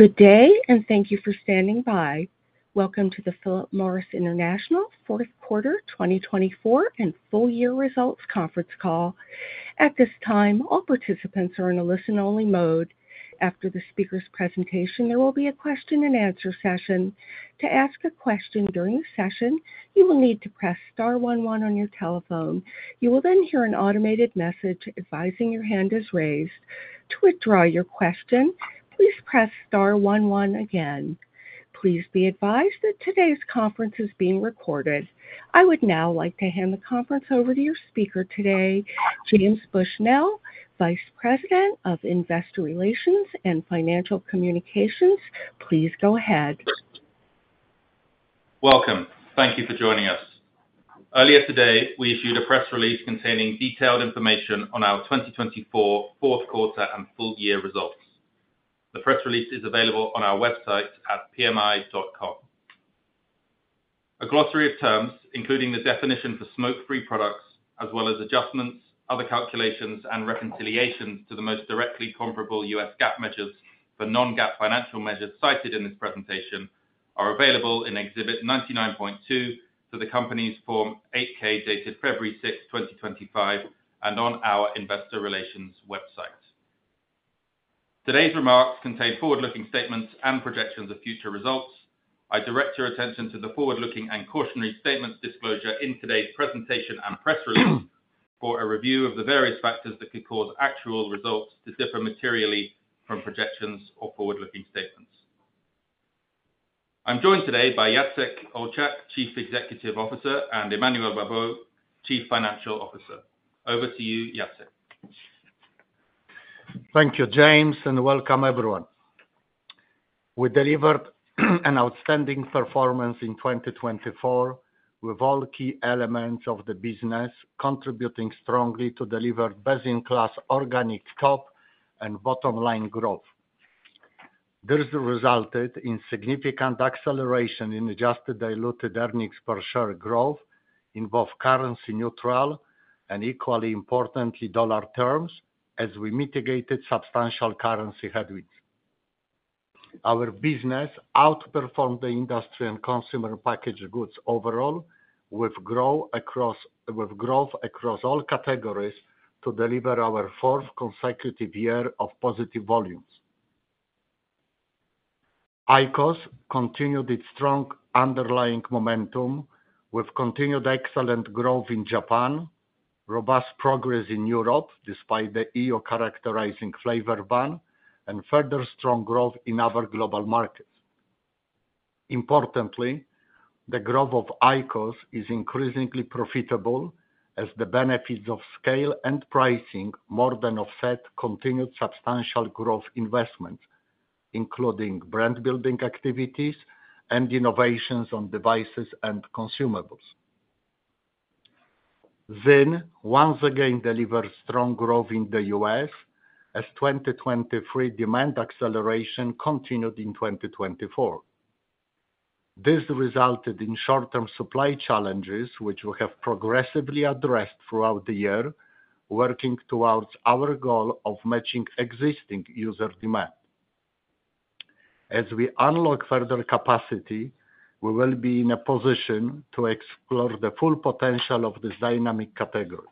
Good day, and thank you for standing by. Welcome to the Philip Morris International Fourth Quarter 2024 and Full Year Results Conference Call. At this time, all participants are in a listen-only mode. After the speaker's presentation, there will be a question-and-answer session. To ask a question during the session, you will need to press star one one on your telephone. You will then hear an automated message advising your hand is raised. To withdraw your question, please press star one one again. Please be advised that today's conference is being recorded. I would now like to hand the conference over to your speaker today, James Bushnell, Vice President of Investor Relations and Financial Communications. Please go ahead. Welcome. Thank you for joining us. Earlier today, we issued a press release containing detailed information on our 2024 fourth quarter and full year results. The press release is available on our website at pmi.com. A glossary of terms, including the definition for smoke-free products, as well as adjustments, other calculations, and reconciliations to the most directly comparable U.S. GAAP measures for non-GAAP financial measures cited in this presentation, are available in Exhibit 99.2 to the Company's Form 8-K dated February 6, 2025, and on our Investor Relations website. Today's remarks contain forward-looking statements and projections of future results. I direct your attention to the forward-looking and cautionary statements disclosure in today's presentation and press release for a review of the various factors that could cause actual results to differ materially from projections or forward-looking statements. I'm joined today by Jacek Olczak, Chief Executive Officer, and Emmanuel Babeau, Chief Financial Officer. Over to you, Jacek. Thank you, James, and welcome everyone. We delivered an outstanding performance in 2024 with all key elements of the business contributing strongly to delivered best-in-class organic top and bottom line growth. This resulted in significant acceleration in adjusted diluted earnings per share growth in both currency neutral and, equally importantly, dollar terms, as we mitigated substantial currency headwinds. Our business outperformed the industry and consumer packaged goods overall with growth across all categories to deliver our fourth consecutive year of positive volumes. IQOS continued its strong underlying momentum with continued excellent growth in Japan, robust progress in Europe despite the EU characterizing flavor ban, and further strong growth in other global markets. Importantly, the growth of IQOS is increasingly profitable as the benefits of scale and pricing more than offset continued substantial growth investments, including brand-building activities and innovations on devices and consumables. ZYN once again delivered strong growth in the US as 2023 demand acceleration continued in 2024. This resulted in short-term supply challenges, which we have progressively addressed throughout the year, working towards our goal of matching existing user demand. As we unlock further capacity, we will be in a position to explore the full potential of this dynamic category.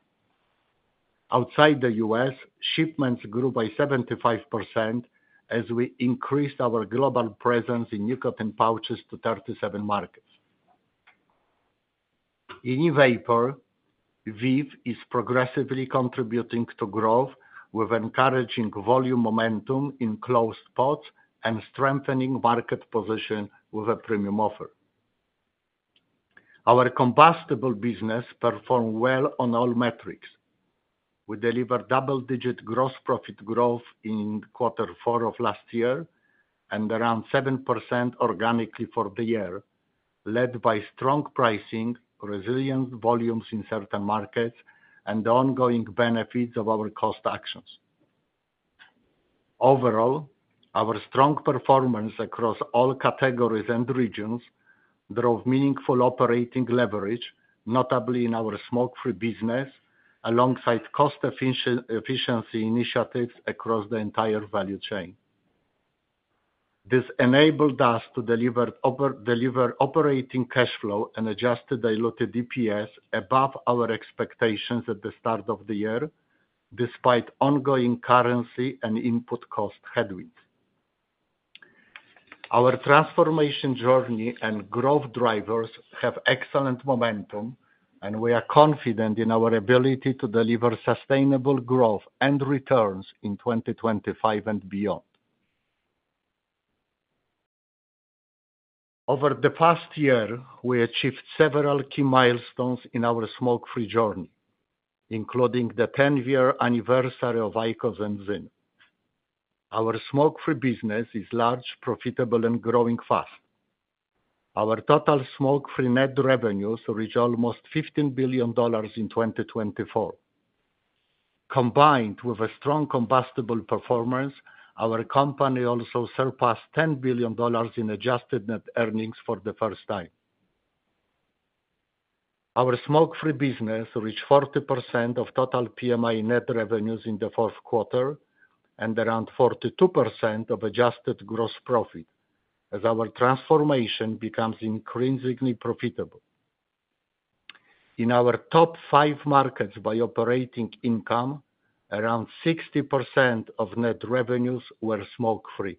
Outside the U.S., shipments grew by 75% as we increased our global presence in nicotine pouches to 37 markets. In e-vapor, VEEV is progressively contributing to growth with encouraging volume momentum in closed pods and strengthening market position with a premium offer. Our combustible business performed well on all metrics. We delivered double-digit gross profit growth in Q4 of last year and around 7% organically for the year, led by strong pricing, resilient volumes in certain markets, and the ongoing benefits of our cost actions. Overall, our strong performance across all categories and regions drove meaningful operating leverage, notably in our smoke-free business, alongside cost efficiency initiatives across the entire value chain. This enabled us to deliver operating cash flow and adjusted diluted EPS above our expectations at the start of the year, despite ongoing currency and input cost headwinds. Our transformation journey and growth drivers have excellent momentum, and we are confident in our ability to deliver sustainable growth and returns in 2025 and beyond. Over the past year, we achieved several key milestones in our smoke-free journey, including the 10-year anniversary of IQOS and ZYN. Our smoke-free business is large, profitable, and growing fast. Our total smoke-free net revenues reached almost $15 billion in 2024. Combined with a strong combustible performance, our company also surpassed $10 billion in adjusted net earnings for the first time. Our smoke-free business reached 40% of total PMI net revenues in the fourth quarter and around 42% of adjusted gross profit, as our transformation becomes intrinsically profitable. In our top five markets by operating income, around 60% of net revenues were smoke-free.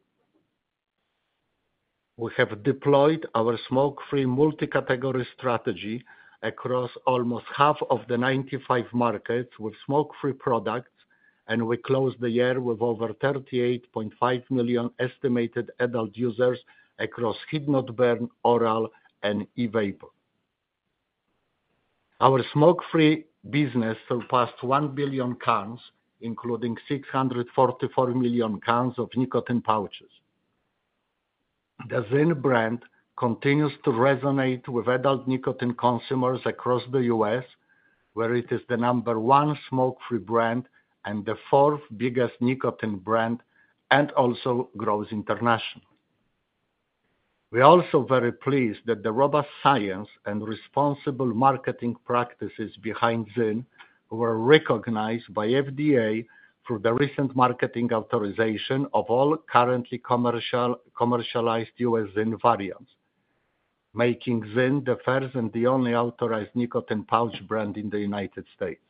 We have deployed our smoke-free multi-category strategy across almost half of the 95 markets with smoke-free products, and we closed the year with over 38.5 million estimated adult users across heat-not-burn, oral, and e-vapor. Our smoke-free business surpassed 1 billion cans, including 644 million cans of nicotine pouches. The ZYN brand continues to resonate with adult nicotine consumers across the U.S., where it is the number one smoke-free brand and the fourth biggest nicotine brand, and also grows internationally. We are also very pleased that the robust science and responsible marketing practices behind ZYN were recognized by FDA through the recent marketing authorization of all currently commercialized U.S. ZYN variants, making ZYN the first and the only authorized nicotine pouch brand in the United States.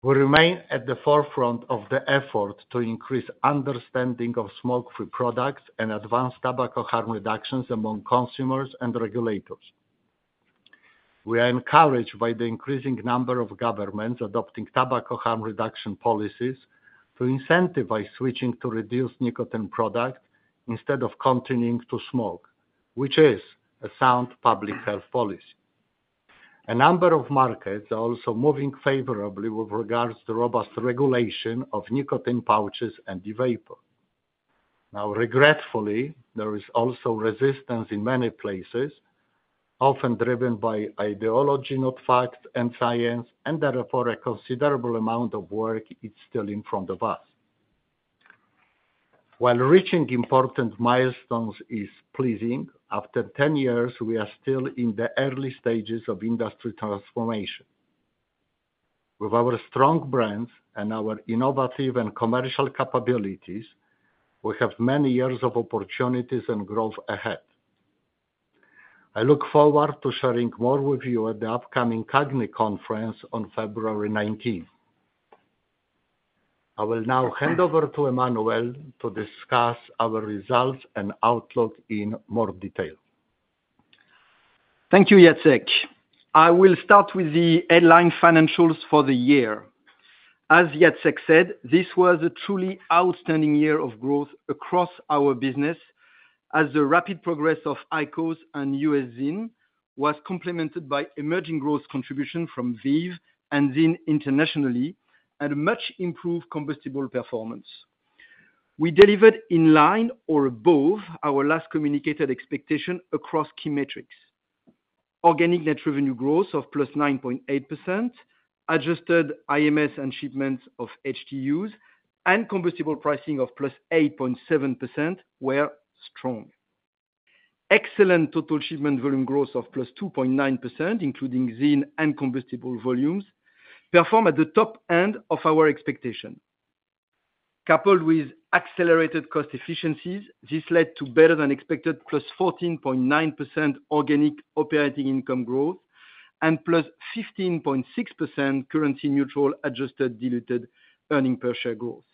We remain at the forefront of the effort to increase understanding of smoke-free products and advanced tobacco harm reductions among consumers and regulators. We are encouraged by the increasing number of governments adopting tobacco harm reduction policies to incentivize switching to reduced nicotine products instead of continuing to smoke, which is a sound public health policy. A number of markets are also moving favorably with regards to robust regulation of nicotine pouches and e-vapor. Now, regretfully, there is also resistance in many places, often driven by ideology, not facts and science, and therefore a considerable amount of work is still in front of us. While reaching important milestones is pleasing, after 10 years, we are still in the early stages of industry transformation. With our strong brands and our innovative and commercial capabilities, we have many years of opportunities and growth ahead. I look forward to sharing more with you at the upcoming CAGNY Conference on February 19. I will now hand over to Emmanuel to discuss our results and outlook in more detail. Thank you, Jacek. I will start with the headline financials for the year. As Jacek said, this was a truly outstanding year of growth across our business, as the rapid progress of IQOS and U.S. ZYN was complemented by emerging growth contribution from VEEV and ZYN internationally, and much improved combustible performance. We delivered in line or above our last communicated expectation across key metrics. Organic net revenue growth of plus 9.8%, adjusted IMS and shipments of HTUs, and combustible pricing of +8.7% were strong. Excellent total shipment volume growth of +2.9%, including ZYN and combustible volumes, performed at the top end of our expectation. Coupled with accelerated cost efficiencies, this led to better than expected +14.9% organic operating income growth and +15.6% currency-neutral adjusted diluted earnings per share growth.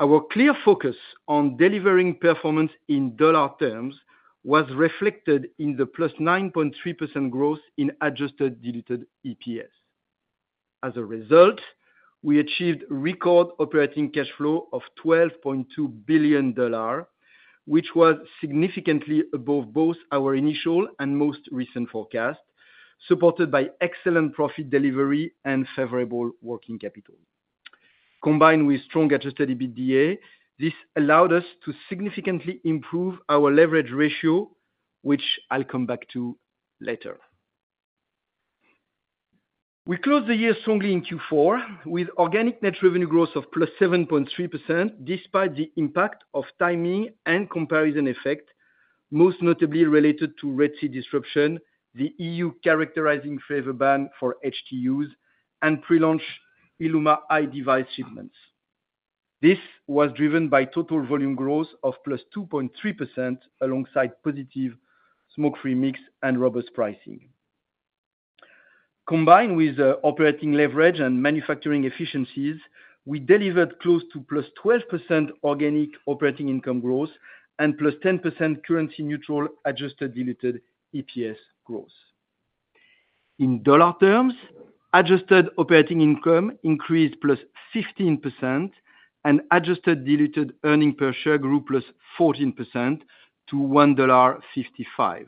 Our clear focus on delivering performance in dollar terms was reflected in the +9.3% growth in adjusted diluted EPS. As a result, we achieved record operating cash flow of $12.2 billion, which was significantly above both our initial and most recent forecast, supported by excellent profit delivery and favorable working capital. Combined with strong adjusted EBITDA, this allowed us to significantly improve our leverage ratio, which I'll come back to later. We closed the year strongly in Q4 with organic net revenue growth of +7.3%, despite the impact of timing and comparison effect, most notably related to Red Sea disruption, the EU Characterizing Flavor Ban for HTUs, and pre-launch ILUMA i device shipments. This was driven by total volume growth of plus 2.3% alongside positive smoke-free mix and robust pricing. Combined with operating leverage and manufacturing efficiencies, we delivered close to +12% organic operating income growth and +10% currency neutral adjusted diluted EPS growth. In dollar terms, adjusted operating income increased +15%, and adjusted diluted earnings per share grew +14% to $1.55.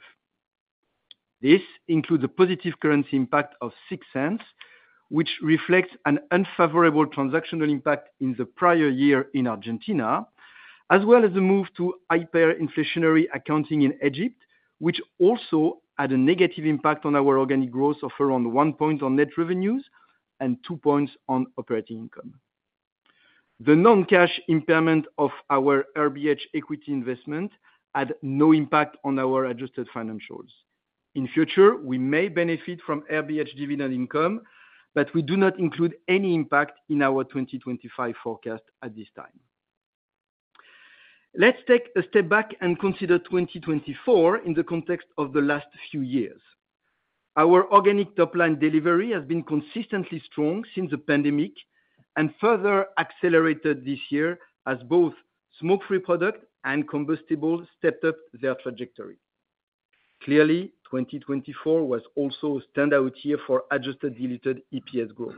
This includes a positive currency impact of $0.06, which reflects an unfavorable transactional impact in the prior year in Argentina, as well as the move to hyperinflationary accounting in Egypt, which also had a negative impact on our organic growth of around one point on net revenues and two points on operating income. The non-cash impairment of our RBH equity investment had no impact on our adjusted financials. In future, we may benefit from RBH dividend income, but we do not include any impact in our 2025 forecast at this time. Let's take a step back and consider 2024 in the context of the last few years. Our organic top-line delivery has been consistently strong since the pandemic and further accelerated this year as both smoke-free products and combustibles stepped up their trajectory. Clearly, 2024 was also a standout year for adjusted diluted EPS growth.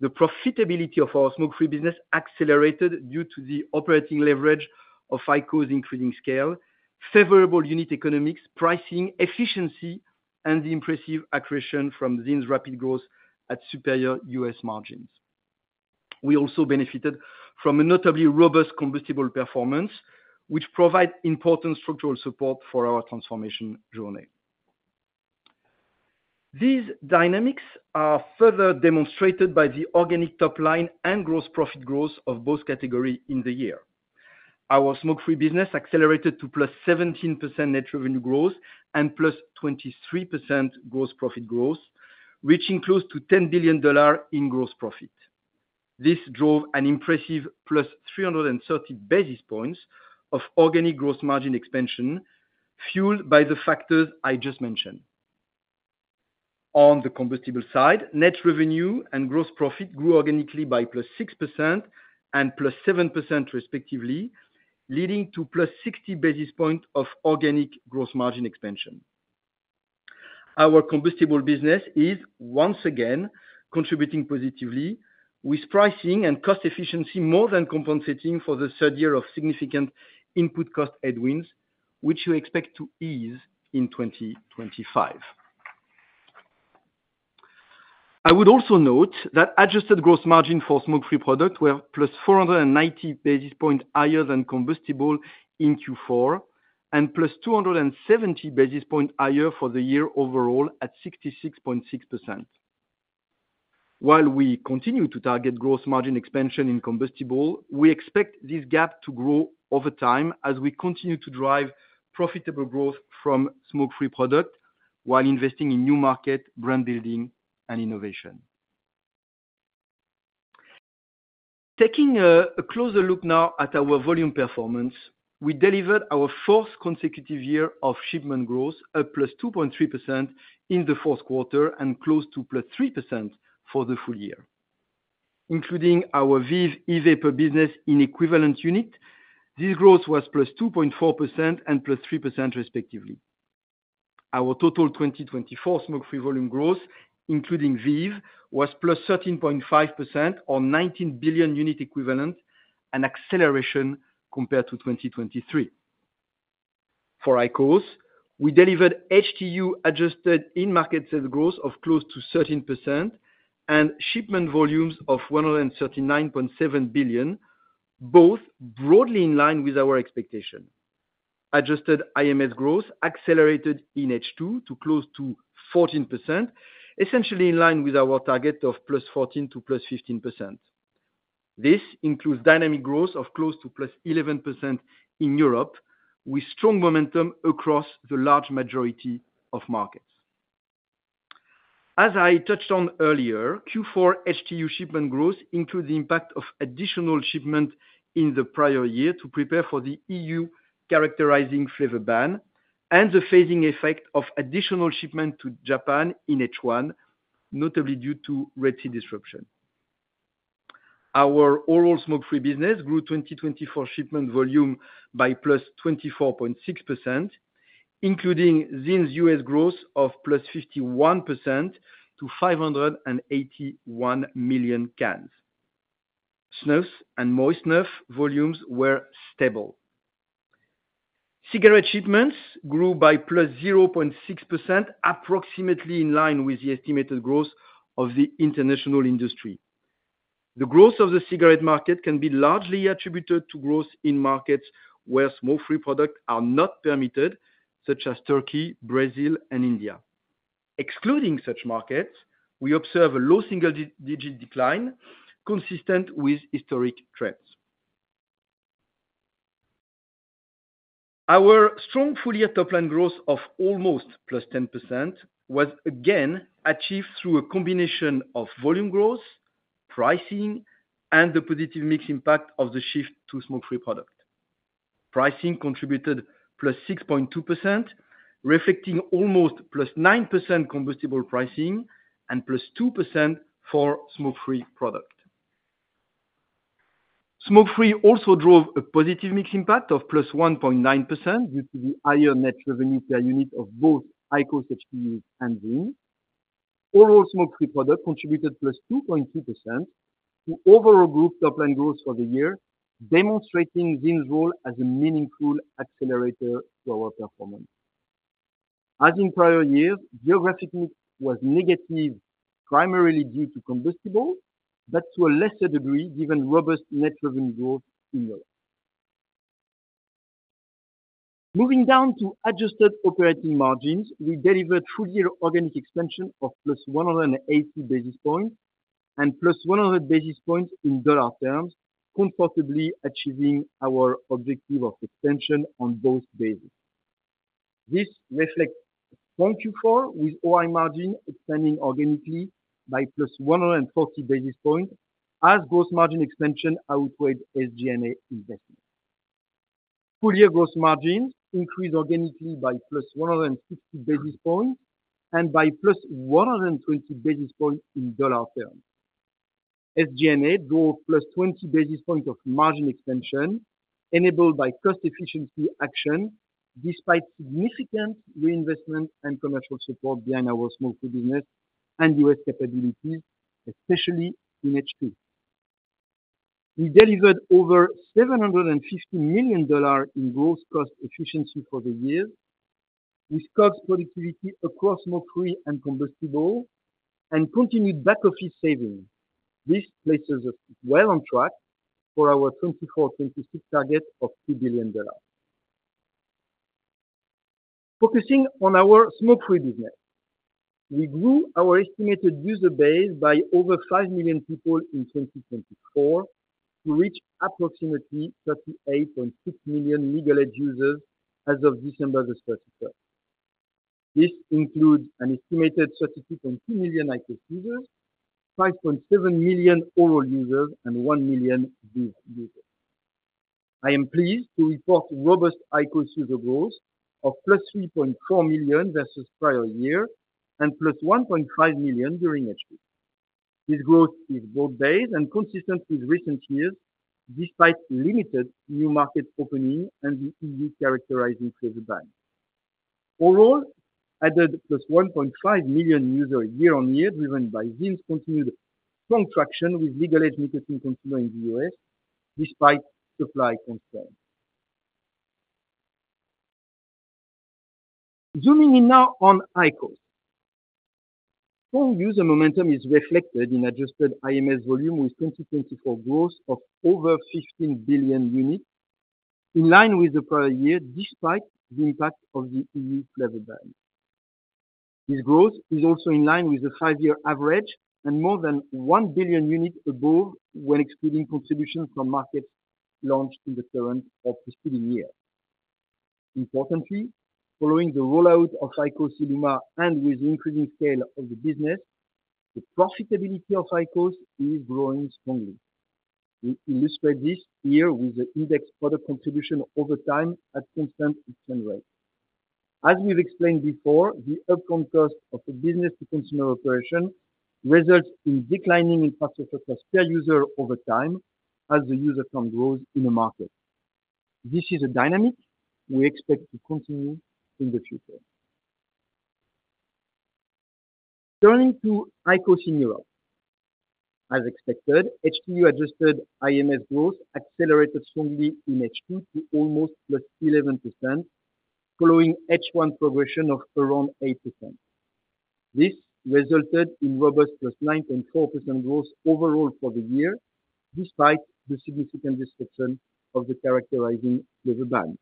The profitability of our smoke-free business accelerated due to the operating leverage of IQOS, including scale, favorable unit economics, pricing efficiency, and the impressive accretion from ZYN's rapid growth at superior U.S. margins. We also benefited from a notably robust combustible performance, which provides important structural support for our transformation journey. These dynamics are further demonstrated by the organic top-line and gross profit growth of both categories in the year. Our smoke-free business accelerated to plus 17% net revenue growth and plus 23% gross profit growth, reaching close to $10 billion in gross profit. This drove an impressive +330 basis points of organic gross margin expansion, fueled by the factors I just mentioned. On the combustible side, net revenue and gross profit grew organically by +6% and +7%, respectively, leading to +60 basis points of organic gross margin expansion. Our combustible business is once again contributing positively, with pricing and cost efficiency more than compensating for the third year of significant input cost headwinds, which we expect to ease in 2025. I would also note that adjusted gross margin for smoke-free products were plus 490 basis points higher than combustible in Q4 and plus 270 basis points higher for the year overall at 66.6%. While we continue to target gross margin expansion in combustible, we expect this gap to grow over time as we continue to drive profitable growth from smoke-free products while investing in new markets, brand building, and innovation. Taking a closer look now at our volume performance, we delivered our fourth consecutive year of shipment growth, up 2.3% in the fourth quarter and close to 3% for the full year. Including our VEEV e-vapor business in equivalent unit, this growth was +2.4% and +3%, respectively. Our total 2024 smoke-free volume growth, including VEEV, was +13.5% or 19 billion units equivalent, an acceleration compared to 2023. For IQOS, we delivered HTU adjusted in-market sales growth of close to 13% and shipment volumes of 139.7 billion, both broadly in line with our expectation. Adjusted IMS growth accelerated in H2 to close to 14%, essentially in line with our target of +14% to +15%. This includes dynamic growth of close to +11% in Europe, with strong momentum across the large majority of markets. As I touched on earlier, Q4 HTU shipment growth includes the impact of additional shipment in the prior year to prepare for the EU characterizing flavor ban and the phasing effect of additional shipment to Japan in H1, notably due to Red Sea disruption. Our overall smoke-free business grew 2024 shipment volume by +24.6%, including ZYN's U.S. growth of +51% to 581 million cans. Snus and moist snuff volumes were stable. Cigarette shipments grew by +0.6%, approximately in line with the estimated growth of the international industry. The growth of the cigarette market can be largely attributed to growth in markets where smoke-free products are not permitted, such as Turkey, Brazil, and India. Excluding such markets, we observe a low single-digit decline consistent with historic trends. Our strong full-year top-line growth of almost +10% was again achieved through a combination of volume growth, pricing, and the positive mix impact of the shift to smoke-free products. Pricing contributed +6.2%, reflecting almost +9% combustibles pricing and +2% for smoke-free products. Smoke-free also drove a positive mix impact of +1.9% due to the higher net revenue per unit of both IQOS HTUs and ZYN. Overall smoke-free products contributed +2.2% to overall group top-line growth for the year, demonstrating ZYN's role as a meaningful accelerator to our performance. As in prior years, geographic mix was negative primarily due to combustibles, but to a lesser degree given robust net revenue growth in Europe. Moving down to adjusted operating margins, we delivered full-year organic expansion of plus 180 basis points and plus 100 basis points in dollar terms, comfortably achieving our objective of expansion on both bases. This reflects strong Q4 with OI margin expanding organically by plus 140 basis points as gross margin expansion outweighed SG&A investment. Full-year gross margins increased organically by +160 basis points and by +120 basis points in dollar terms. SG&A drove plus 20 basis points of margin expansion enabled by cost efficiency action despite significant reinvestment and commercial support behind our smoke-free business and US capabilities, especially in H2. We delivered over $750 million in gross cost efficiency for the year, with cost productivity across smoke-free and combustible and continued back-office savings. This places us well on track for our 2024-2026 target of $2 billion. Focusing on our smoke-free business, we grew our estimated user base by over 5 million people in 2024 to reach approximately 38.6 million legal-age users as of December the 31st. This includes an estimated 32.2 million IQOS users, 5.7 million oral users, and one million VEEV users. I am pleased to report robust IQOS user growth of +3.4 million versus prior year and +1.5 million during H2. This growth is broad-based and consistent with recent years despite limited new markets opening and the EU characterizing flavor ban. Overall, added +1.5 million users year-on-year driven by ZYN's continued strong traction with legal-age marketing continuing in the U.S. despite supply constraints. Zooming in now on IQOS, strong user momentum is reflected in adjusted IMS volume with 2024 growth of over 15 billion units in line with the prior year despite the impact of the E.U. flavor ban. This growth is also in line with the five-year average and more than one billion units above when excluding contributions from markets launched in the current or preceding year. Importantly, following the rollout of IQOS ILUMA and with the increasing scale of the business, the profitability of IQOS is growing strongly. We illustrate this here with the index product contribution over time at constant return rates. As we've explained before, the upfront cost of the business-to-consumer operation results in declining impact of the cost per user over time as the user count grows in a market. This is a dynamic we expect to continue in the future. Turning to IQOS in Europe, as expected, HTU adjusted IMS growth accelerated strongly in H2 to almost plus 11%, following H1 progression of around 8%. This resulted in robust plus 9.4% growth overall for the year despite the significant disruption of the characterizing flavor ban.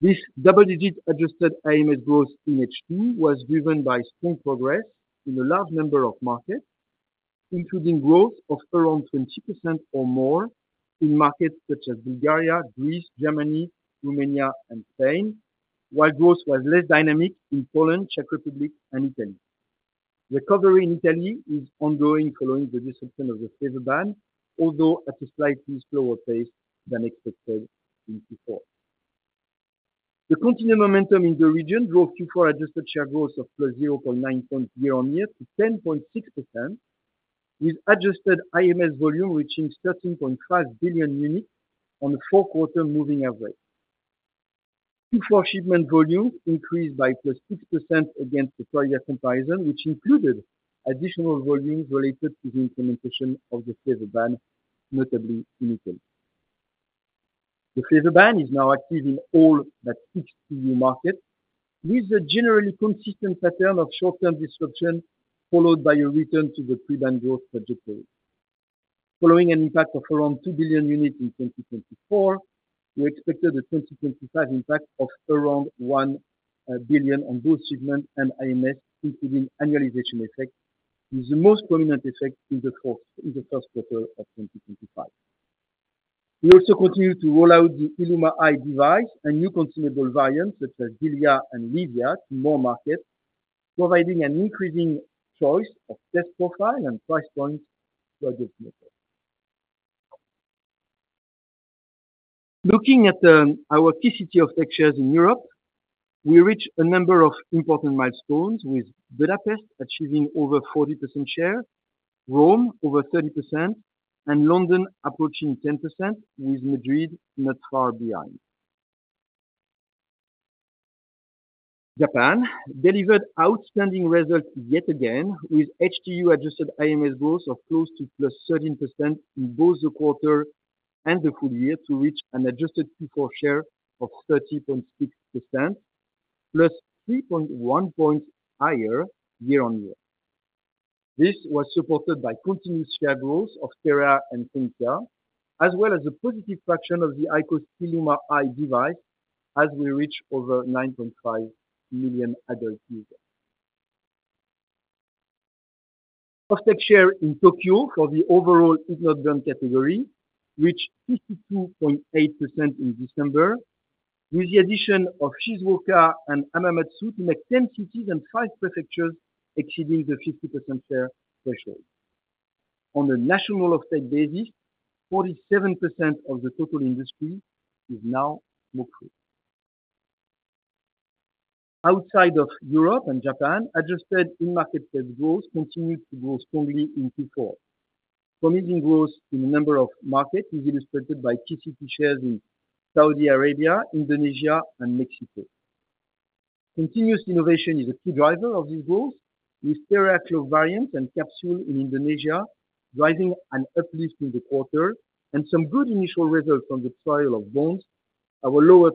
This double-digit adjusted IMS growth in H2 was driven by strong progress in a large number of markets, including growth of around 20% or more in markets such as Bulgaria, Greece, Germany, Romania, and Spain, while growth was less dynamic in Poland, Czech Republic, and Italy. Recovery in Italy is ongoing following the disruption of the flavor ban, although at a slightly slower pace than expected in Q4. The continued momentum in the region drove Q4 adjusted share growth of +0.9 points year-on-year to 10.6%, with adjusted IMS volume reaching 13.5 billion units on the fourth quarter moving average. Q4 shipment volume increased by +6% against the prior year comparison, which included additional volumes related to the implementation of the flavor ban, notably in Italy. The flavor ban is now active in all but six EU markets, with a generally consistent pattern of short-term disruption followed by a return to the pre-ban growth trajectory. Following an impact of around 2 billion units in 2024, we expected a 2025 impact of around 1 billion on both shipment and IMS, including annualization effect, with the most prominent effect in the first quarter of 2025. We also continue to roll out the IQOS ILUMA i device and new consumable variants such as DELIA and LEVIA to more markets, providing an increasing choice of taste profile and price points to adjust the market. Looking at our Key Cities in Europe, we reached a number of important milestones, with Budapest achieving over 40% share, Rome over 30%, and London approaching 10%, with Madrid not far behind. Japan delivered outstanding results yet again, with HTU adjusted IMS growth of close to plus 13% in both the quarter and the full year to reach an adjusted Q4 share of 30.6%, +3.1 points higher year-on-year. This was supported by continuous share growth of TEREA and SENTIA, as well as a positive traction of the IQOS ILUMA i device as we reach over 9.5 million adult users. Offtake share in Tokyo for the overall heat-not-burn category reached 52.8% in December, with the addition of Shizuoka and Hamamatsu to make 10 cities and five prefectures exceeding the 50% share threshold. On a national offtake basis, 47% of the total industry is now smoke-free. Outside of Europe and Japan, adjusted in-market sales growth continued to grow strongly in Q4. Promising growth in a number of markets is illustrated by HTU shares in Saudi Arabia, Indonesia, and Mexico. Continuous innovation is a key driver of this growth, with TEREA clove variants and capsule in Indonesia driving an uplift in the quarter and some good initial results from the trial of BONDS, our lower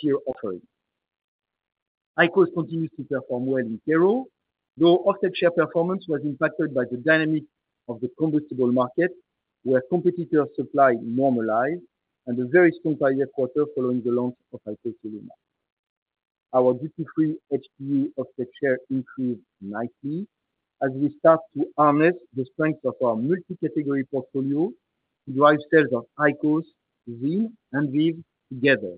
tier offering. IQOS continues to perform well in Korea, though offtake share performance was impacted by the dynamic of the combustible market where competitors' supply normalized and a very strong prior quarter following the launch of IQOS ILUMA. Our duty-free HTU offtake share improved nicely as we start to harness the strengths of our multi-category portfolio to drive sales of IQOS, ZYN, and VEEV together.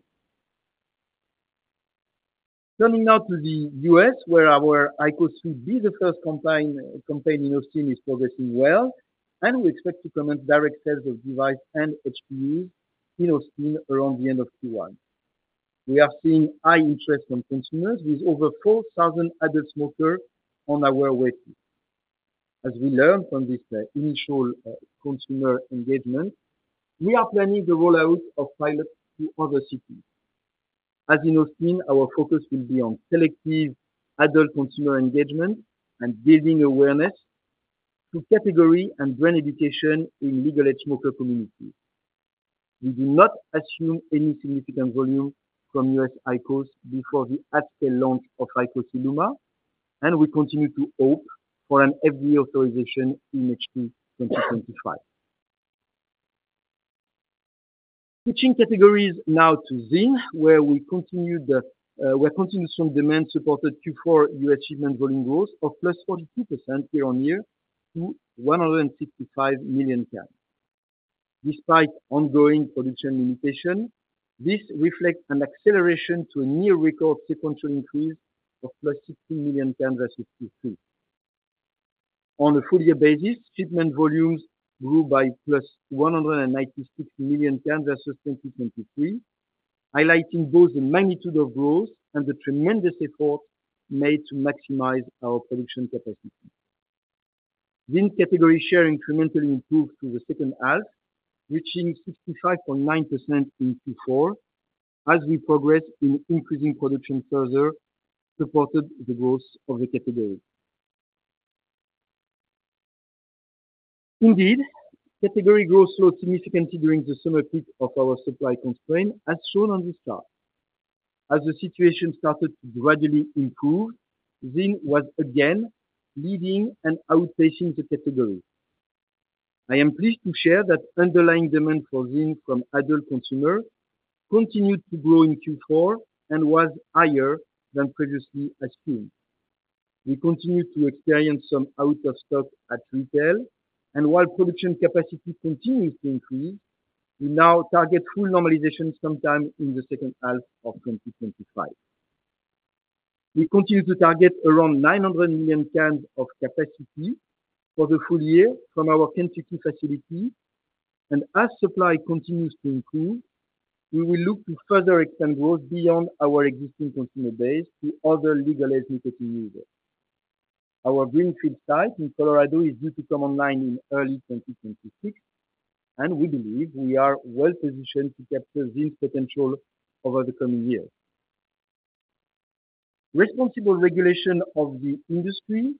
Turning now to the U.S., where our IQOS ILUMA i, the first campaign in Austin, is progressing well, and we expect to commence direct sales of device and HTUs in Austin around the end of Q1. We are seeing high interest from consumers with over 4,000 adult smokers on our waitlist. As we learned from this initial consumer engagement, we are planning the rollout of pilots to other cities. As in Austin, our focus will be on selective adult consumer engagement and building awareness through category and brand education in legal-age smoker communities. We do not assume any significant volume from U.S. IQOS before the at-scale launch of IQOS ILUMA, and we continue to hope for an FDA authorization in H2 2025. Switching categories now to ZYN, where the continuous demand supported Q4 U.S. shipment volume growth of +42% year-on-year to 165 million cans. Despite ongoing production limitations, this reflects an acceleration to a near-record sequential increase of +16 million cans versus Q3. On a full-year basis, shipment volumes grew by +196 million cans versus 2023, highlighting both the magnitude of growth and the tremendous effort made to maximize our production capacity. ZYN category share incrementally improved through the second half, reaching 65.9% in Q4 as we progressed in increasing production further, supported the growth of the category. Indeed, category growth slowed significantly during the summer peak of our supply constraint, as shown on this chart. As the situation started to gradually improve, ZYN was again leading and outpacing the category. I am pleased to share that underlying demand for ZYN from adult consumers continued to grow in Q4 and was higher than previously assumed. We continue to experience some out-of-stock at retail, and while production capacity continues to increase, we now target full normalization sometime in the second half of 2025. We continue to target around 900 million cans of capacity for the full year from our Kentucky facility, and as supply continues to improve, we will look to further expand growth beyond our existing consumer base to other legal-age marketing users. Our greenfield site in Colorado is due to come online in early 2026, and we believe we are well-positioned to capture ZYN's potential over the coming years. Responsible regulation of the industry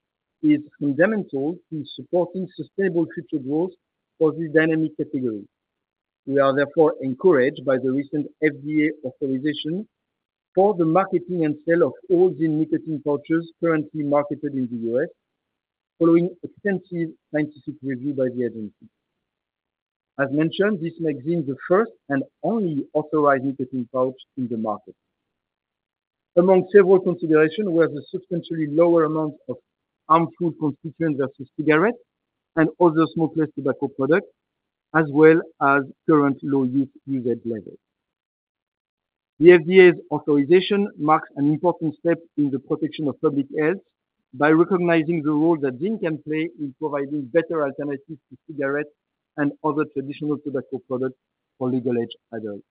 is fundamental to supporting sustainable future growth for this dynamic category. We are therefore encouraged by the recent FDA authorization for the marketing and sale of all ZYN nicotine pouches currently marketed in the U.S., following extensive scientific review by the agency. As mentioned, this makes ZYN the first and only authorized nicotine pouch in the market. Among several considerations were the substantially lower amount of harmful constituents versus cigarettes and other smokeless tobacco products, as well as current low-use usage levels. The FDA's authorization marks an important step in the protection of public health by recognizing the role that ZYN can play in providing better alternatives to cigarettes and other traditional tobacco products for legal-age adults.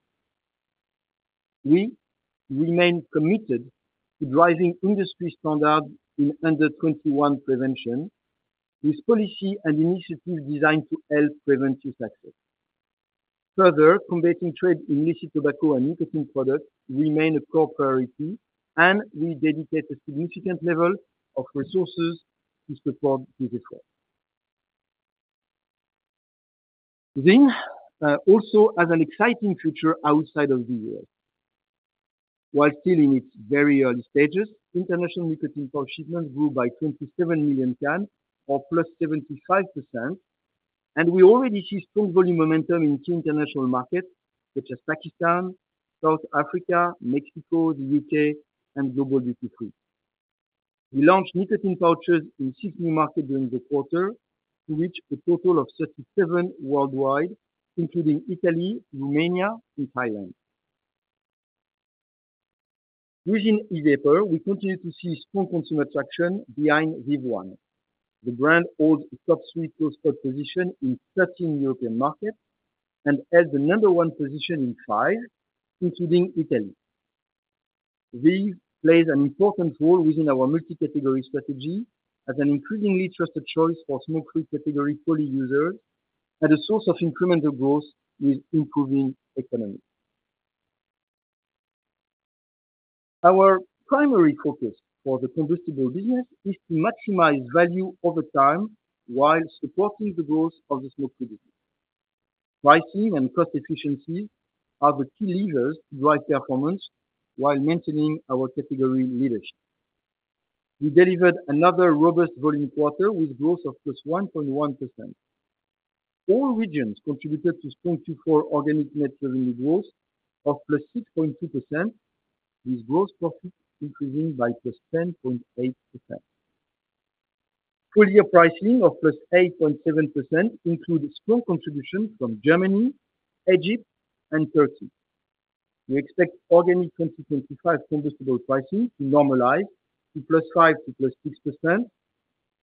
We remain committed to driving industry standards in under-21 prevention, with policy and initiatives designed to help prevent youth access. Further, combating trade in illicit tobacco and nicotine products remains a core priority, and we dedicate a significant level of resources to support this effort. ZYN also has an exciting future outside of the U.S. While still in its very early stages, international nicotine pouch shipments grew by 27 million cans or +75%, and we already see strong volume momentum in key international markets such as Pakistan, South Africa, Mexico, the U.K., and global duty-free. We launched nicotine pouches in six new markets during the quarter to reach a total of 37 worldwide, including Italy, Romania, and Thailand. Using e-vapor, we continue to see strong consumer traction behind VEEV ONE, the brand's overall top three post-launch position in 13 European markets, and held the number one position in five, including Italy. VEEV plays an important role within our multi-category strategy as an increasingly trusted choice for smoke-free category poly users and a source of incremental growth with improving economics. Our primary focus for the combustible business is to maximize value over time while supporting the growth of the smoke-free business. Pricing and cost efficiencies are the key levers to drive performance while maintaining our category leadership. We delivered another robust volume quarter with growth of 1.1%. All regions contributed to strong Q4 organic net revenue growth of +6.2%, with gross profit increasing by +10.8%. Full-year pricing of +8.7% includes strong contributions from Germany, Egypt, and Turkey. We expect organic 2025 combustible pricing to normalize to +5% to +6%,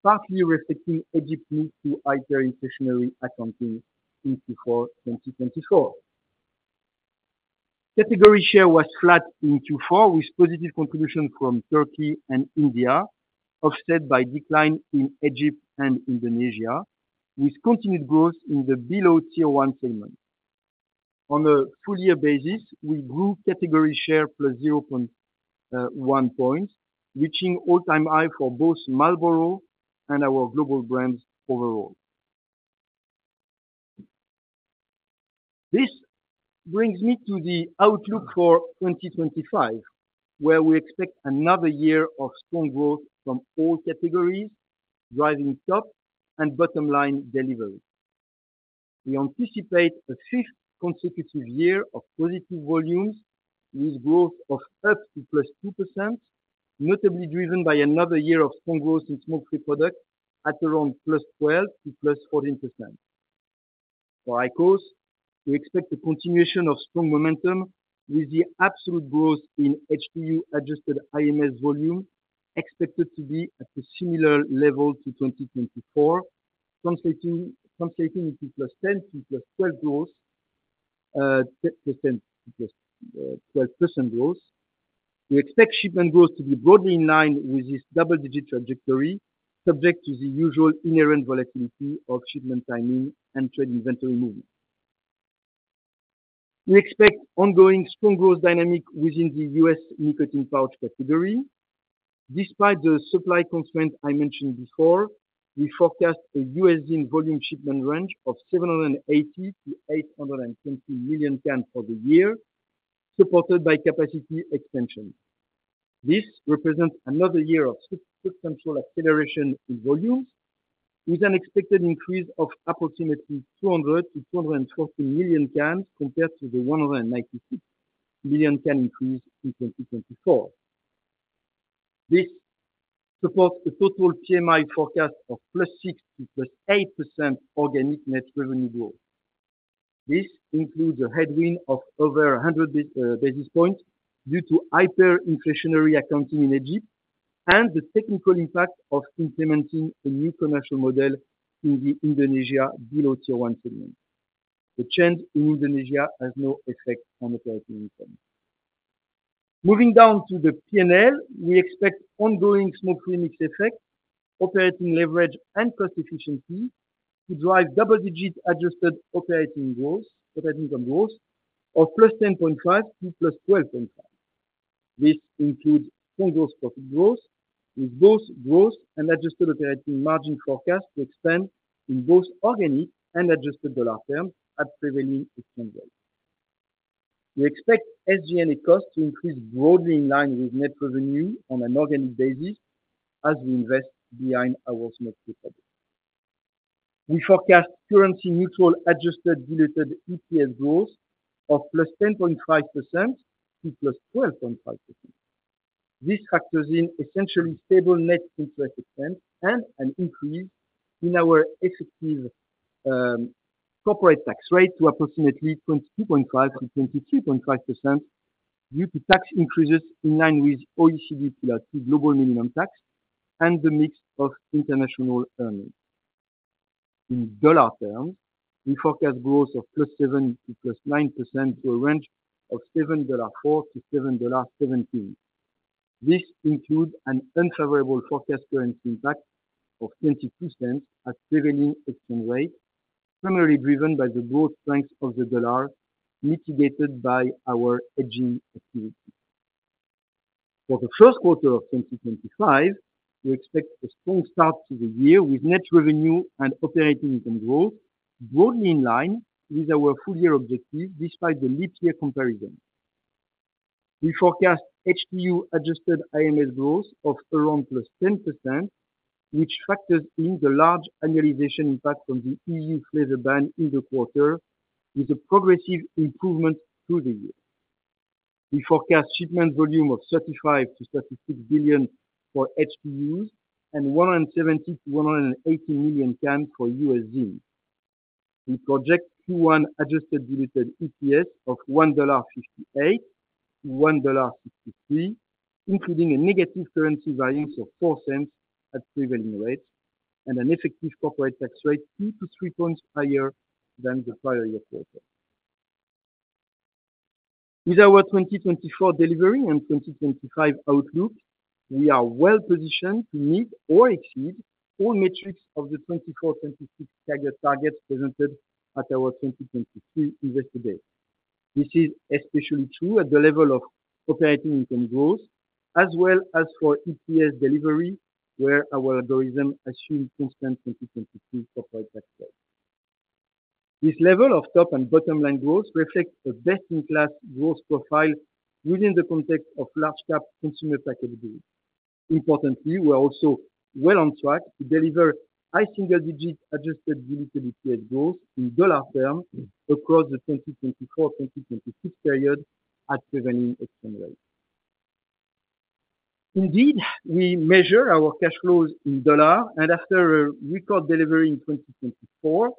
partly reflecting Egypt's move to hyperinflationary accounting in Q4 2024. Category share was flat in Q4, with positive contributions from Turkey and India, offset by decline in Egypt and Indonesia, with continued growth in the below-Tier 1 segment. On a full-year basis, we grew category share +0.1 points, reaching all-time high for both Marlboro and our global brands overall. This brings me to the outlook for 2025, where we expect another year of strong growth from all categories, driving top and bottom-line delivery. We anticipate a fifth consecutive year of positive volumes, with growth of up to +2%, notably driven by another year of strong growth in smoke-free products at around +12% to +14%. For IQOS, we expect a continuation of strong momentum, with the absolute growth in HTU adjusted IMS volume expected to be at a similar level to 2024, translating into +10% to +12% growth. We expect shipment growth to be broadly in line with this double-digit trajectory, subject to the usual inherent volatility of shipment timing and trade inventory movement. We expect ongoing strong growth dynamic within the U.S. nicotine pouch category. Despite the supply constraints I mentioned before, we forecast a U.S. ZYN volume shipment range of 780 million - 820 million cans for the year, supported by capacity expansion. This represents another year of structural acceleration in volumes, with an expected increase of approximately 200million-240 million cans compared to the 196 million can increase in 2024. This supports a total PMI forecast of +6% to +8% organic net revenue growth. This includes a headwind of over 100 basis points due to hyperinflationary accounting in Egypt and the technical impact of implementing a new commercial model in the Indonesia below-Tier 1 segment. The change in Indonesia has no effect on operating income. Moving down to the P&L, we expect ongoing smoke-free mix effect, operating leverage, and cost efficiency to drive double-digit adjusted operating growth of +10.5% to +12.5%. This includes strong gross profit growth, with both gross and adjusted operating margin forecast to expand in both organic and adjusted dollar terms at prevailing exchange rates. We expect SG&A costs to increase broadly in line with net revenue on an organic basis as we invest behind our smoke-free products. We forecast currency-neutral adjusted diluted EPS growth of +10.5% to +12.5%. This factors in essentially stable net interest expense and an increase in our effective corporate tax rate to approximately 22.5%-23.5% due to tax increases in line with OECD Pillar Two global minimum tax and the mix of international earnings. In dollar terms, we forecast growth of +7% to +9% to a range of $7.40-$7.70. This includes an unfavorable forecast currency impact of $0.22 at prevailing exchange rate, primarily driven by the growth strength of the dollar mitigated by our hedging activity. For the first quarter of 2025, we expect a strong start to the year with net revenue and operating income growth broadly in line with our full-year objective despite the leap year comparison. We forecast HTU adjusted IMS growth of around +10%, which factors in the large annualization impact from the EU flavor ban in the quarter, with a progressive improvement through the year. We forecast shipment volume of 35 billion-36 billion for HTUs and 170 million-180 million cans for U.S. ZYN. We project Q1 Adjusted Diluted EPS of $1.58-$1.63, including a negative currency variance of $0.04 at prevailing rates, and an effective corporate tax rate 2-3 points higher than the prior year quarter. With our 2024 delivery and 2025 outlook, we are well-positioned to meet or exceed all metrics of the 2024-2026 targets presented at our 2023 investor day. This is especially true at the level of operating income growth, as well as for EPS delivery, where our algorithm assumed constant 2023 corporate tax rates. This level of top and bottom-line growth reflects a best-in-class growth profile within the context of large-cap consumer packaged goods. Importantly, we're also well on track to deliver high single-digit adjusted diluted EPS growth in dollar terms across the 2024-2026 period at prevailing exchange rates. Indeed, we measure our cash flows in dollar, and after a record delivery in 2024,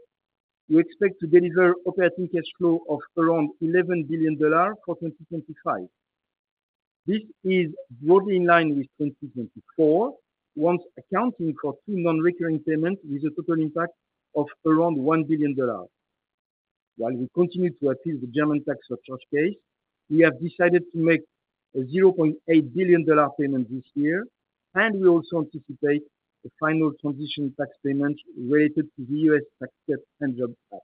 we expect to deliver operating cash flow of around $11 billion for 2025. This is broadly in line with 2024, once accounting for two non-recurring payments with a total impact of around $1 billion. While we continue to appeal the German tax surcharge case, we have decided to make a $0.8 billion payment this year, and we also anticipate the final transition tax payment related to the U.S. Tax Cuts and Jobs Act.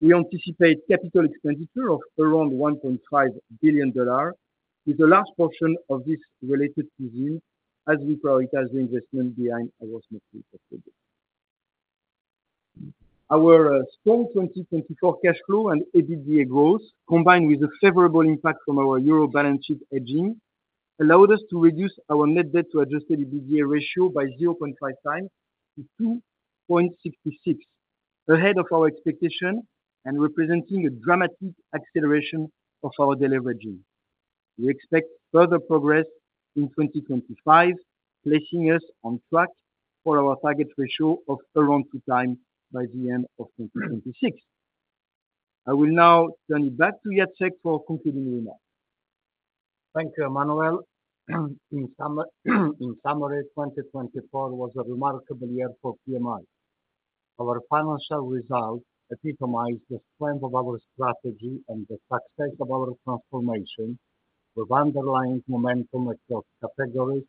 We anticipate capital expenditure of around $1.5 billion, with a large portion of this related to ZYN as we prioritize the investment behind our smoke-free products. Our strong 2024 cash flow and EBITDA growth, combined with a favorable impact from our Euro balance sheet hedging, allowed us to reduce our net debt-to-adjusted EBITDA ratio by 0.5x to 2.66, ahead of our expectation and representing a dramatic acceleration of our delivery agenda. We expect further progress in 2025, placing us on track for our target ratio of around two times by the end of 2026. I will now turn it back to Jacek for concluding remarks. Thank you, Emmanuel. In summary, 2024 was a remarkable year for PMI. Our financial results epitomized the strength of our strategy and the success of our transformation, with underlying momentum across categories,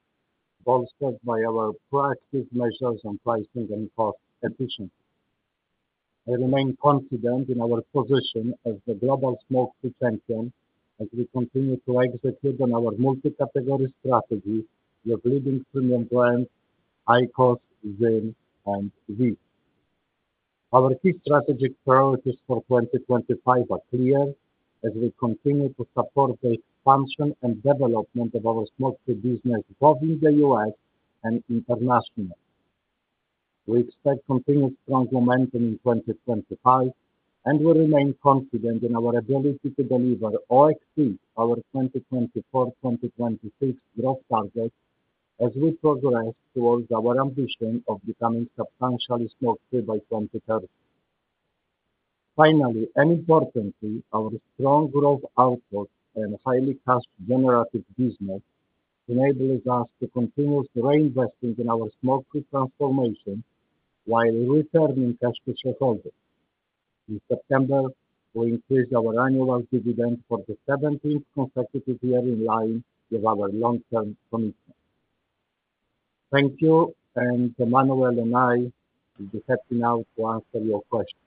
bolstered by our proactive measures on pricing and cost efficiency. I remain confident in our position as the global smoke-free champion as we continue to execute on our multi-category strategy with leading premium brands: IQOS, ZYN, and VEEV. Our key strategic priorities for 2025 are clear as we continue to support the expansion and development of our smoke-free business both in the U.S. and internationally. We expect continued strong momentum in 2025, and we remain confident in our ability to deliver or exceed our 2024-2026 growth targets as we progress towards our ambition of becoming substantially smoke-free by 2030. Finally, and importantly, our strong growth output and highly cash-generative business enables us to continue reinvesting in our smoke-free transformation while returning cash to shareholders. In September, we increased our annual dividend for the 17th consecutive year in line with our long-term commitment. Thank you, and Emmanuel and I will be heading out to answer your questions.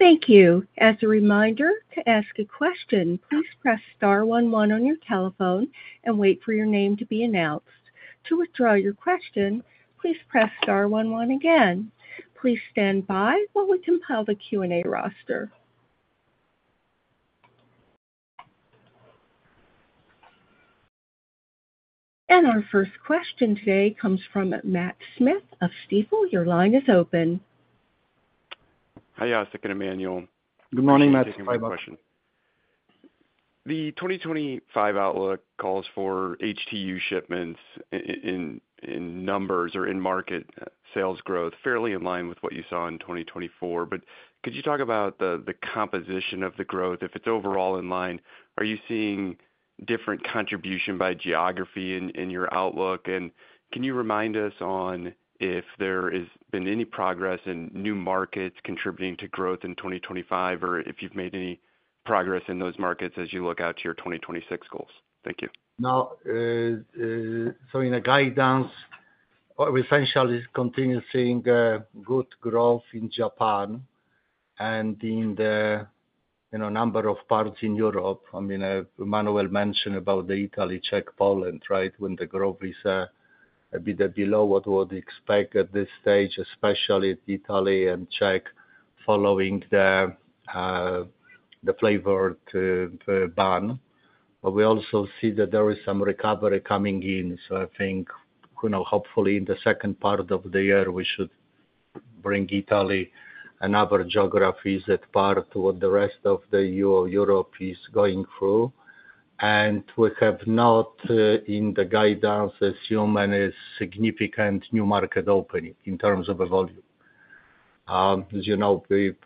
Thank you. As a reminder, to ask a question, please press star one one on your telephone and wait for your name to be announced. To withdraw your question, please press star one one again. Please stand by while we compile the Q&A roster. Our first question today comes from Matt Smith of Stifel. Your line is open. Hi, Jacek and Emmanuel. Good morning, Matt. Good morning. The 2025 outlook calls for HTU shipments in numbers or in-market sales growth fairly in line with what you saw in 2024. But could you talk about the composition of the growth? If it's overall in line, are you seeing different contribution by geography in your outlook? And can you remind us on if there has been any progress in new markets contributing to growth in 2025, or if you've made any progress in those markets as you look out to your 2026 goals? Thank you. Now, so in the guidance, we essentially continue seeing good growth in Japan and in a number of parts of Europe. I mean, Emmanuel mentioned about Italy, Czech, Poland, right, where the growth is a bit below what we would expect at this stage, especially Italy and Czech following the flavored ban. But we also see that there is some recovery coming in. So I think, hopefully, in the second part of the year, we should bring Italy and other geographies that part to what the rest of the Europe is going through. And we have not, in the guidance, assumed any significant new market opening in terms of a volume. As you know, and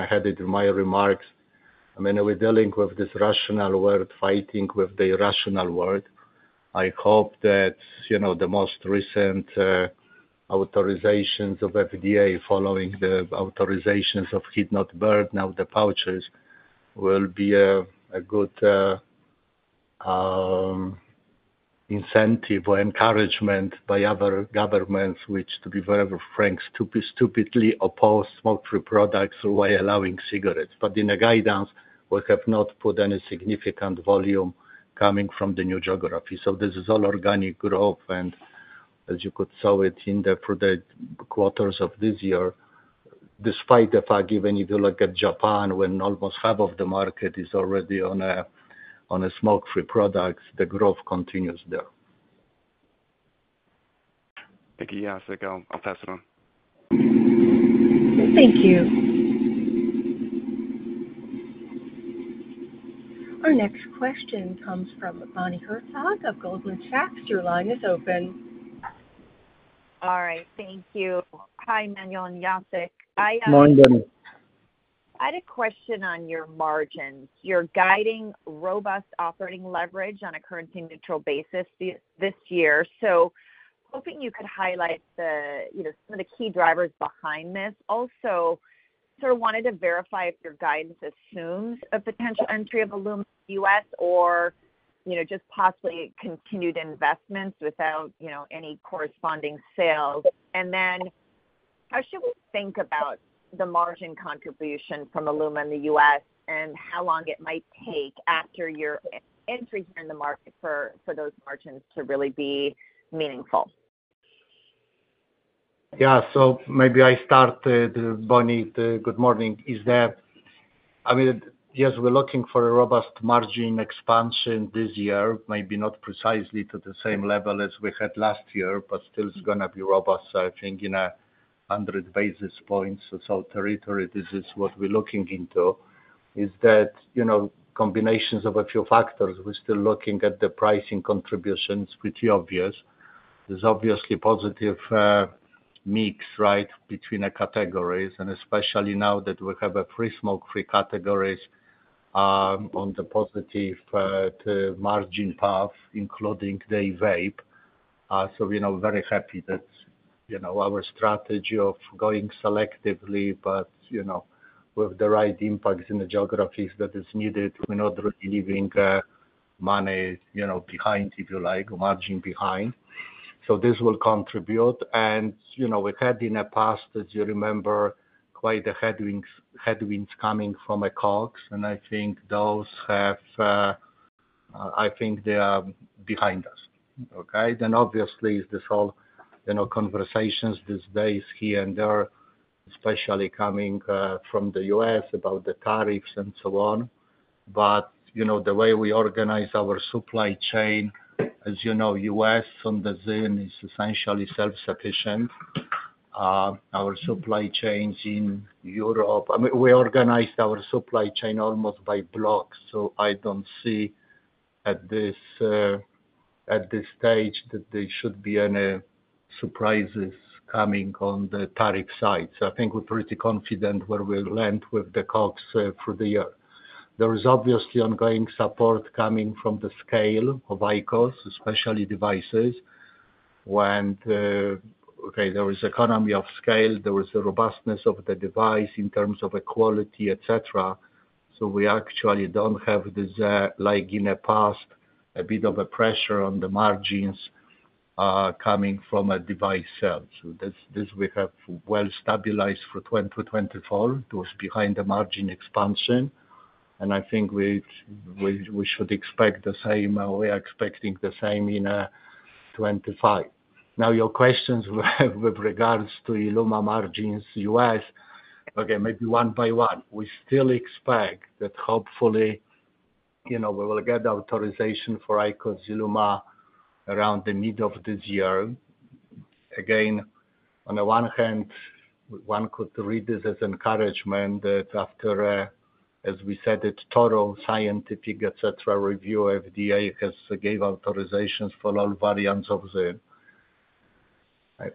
I had it in my remarks, I mean, we're dealing with this rational world, fighting with the irrational world. I hope that the most recent authorizations of FDA following the authorizations of heat-not-burn, now the pouches, will be a good incentive or encouragement by other governments, which, to be very frank, stupidly oppose smoke-free products while allowing cigarettes. But in the guidance, we have not put any significant volume coming from the new geography. So this is all organic growth, and as you could see it in the quarters of this year, despite the fact, even if you look at Japan, when almost half of the market is already on smoke-free products, the growth continues there. Thank you, Jacek. I'll pass it on. Thank you. Our next question comes from Bonnie Herzog of Goldman Sachs. Your line is open. All right. Thank you. Hi, Emmanuel and Jacek. Good morning Bonnie. I had a question on your margins. You're guiding robust operating leverage on a currency-neutral basis this year. So hoping you could highlight some of the key drivers behind this. Also, sort of wanted to verify if your guidance assumes a potential entry of ILUMA in the U.S. or just possibly continued investments without any corresponding sales. Then how should we think about the margin contribution from ZYN in the U.S. and how long it might take after your entry here in the market for those margins to really be meaningful? Yeah. So maybe I started, Bonnie, good morning. I mean, yes, we're looking for a robust margin expansion this year, maybe not precisely to the same level as we had last year, but still it's going to be robust, I think, in a 100 basis points or so territory. This is what we're looking into. It's the combination of a few factors. We're still looking at the pricing contributions, which is obvious. There's obviously positive mix, right, between the categories, and especially now that we have our smoke-free category on the positive margin path, including the e-vapor. So we're very happy that our strategy of going selectively, but with the right impacts in the geographies that is needed, we're not really leaving money behind, if you like, margin behind. So this will contribute. And we had in the past, as you remember, quite the headwinds coming from FX, and I think those have, I think they are behind us, okay? And obviously, there's all conversations these days here and there, especially coming from the U.S. about the tariffs and so on. But the way we organize our supply chain, as you know, U.S. on the ZYN is essentially self-sufficient. Our supply chains in Europe, I mean, we organized our supply chain almost by blocks, so I don't see at this stage that there should be any surprises coming on the tariff side. So I think we're pretty confident where we land with the COGS for the year. There is obviously ongoing support coming from the scale of IQOS, especially devices. And okay, there is economy of scale, there is the robustness of the device in terms of quality, etc. So we actually don't have this, like in the past, a bit of a pressure on the margins coming from a device sale. So this we have well stabilized for 2024. It was behind the margin expansion. And I think we should expect the same, or we are expecting the same in 2025. Now, your questions with regards to ILUMA margins US, okay, maybe one by one. We still expect that hopefully we will get authorization for IQOS ILUMA around the middle of this year. Again, on the one hand, one could read this as encouragement that after, as we said, it's thorough scientific, etc., review, FDA has given authorizations for all variants of ZYN.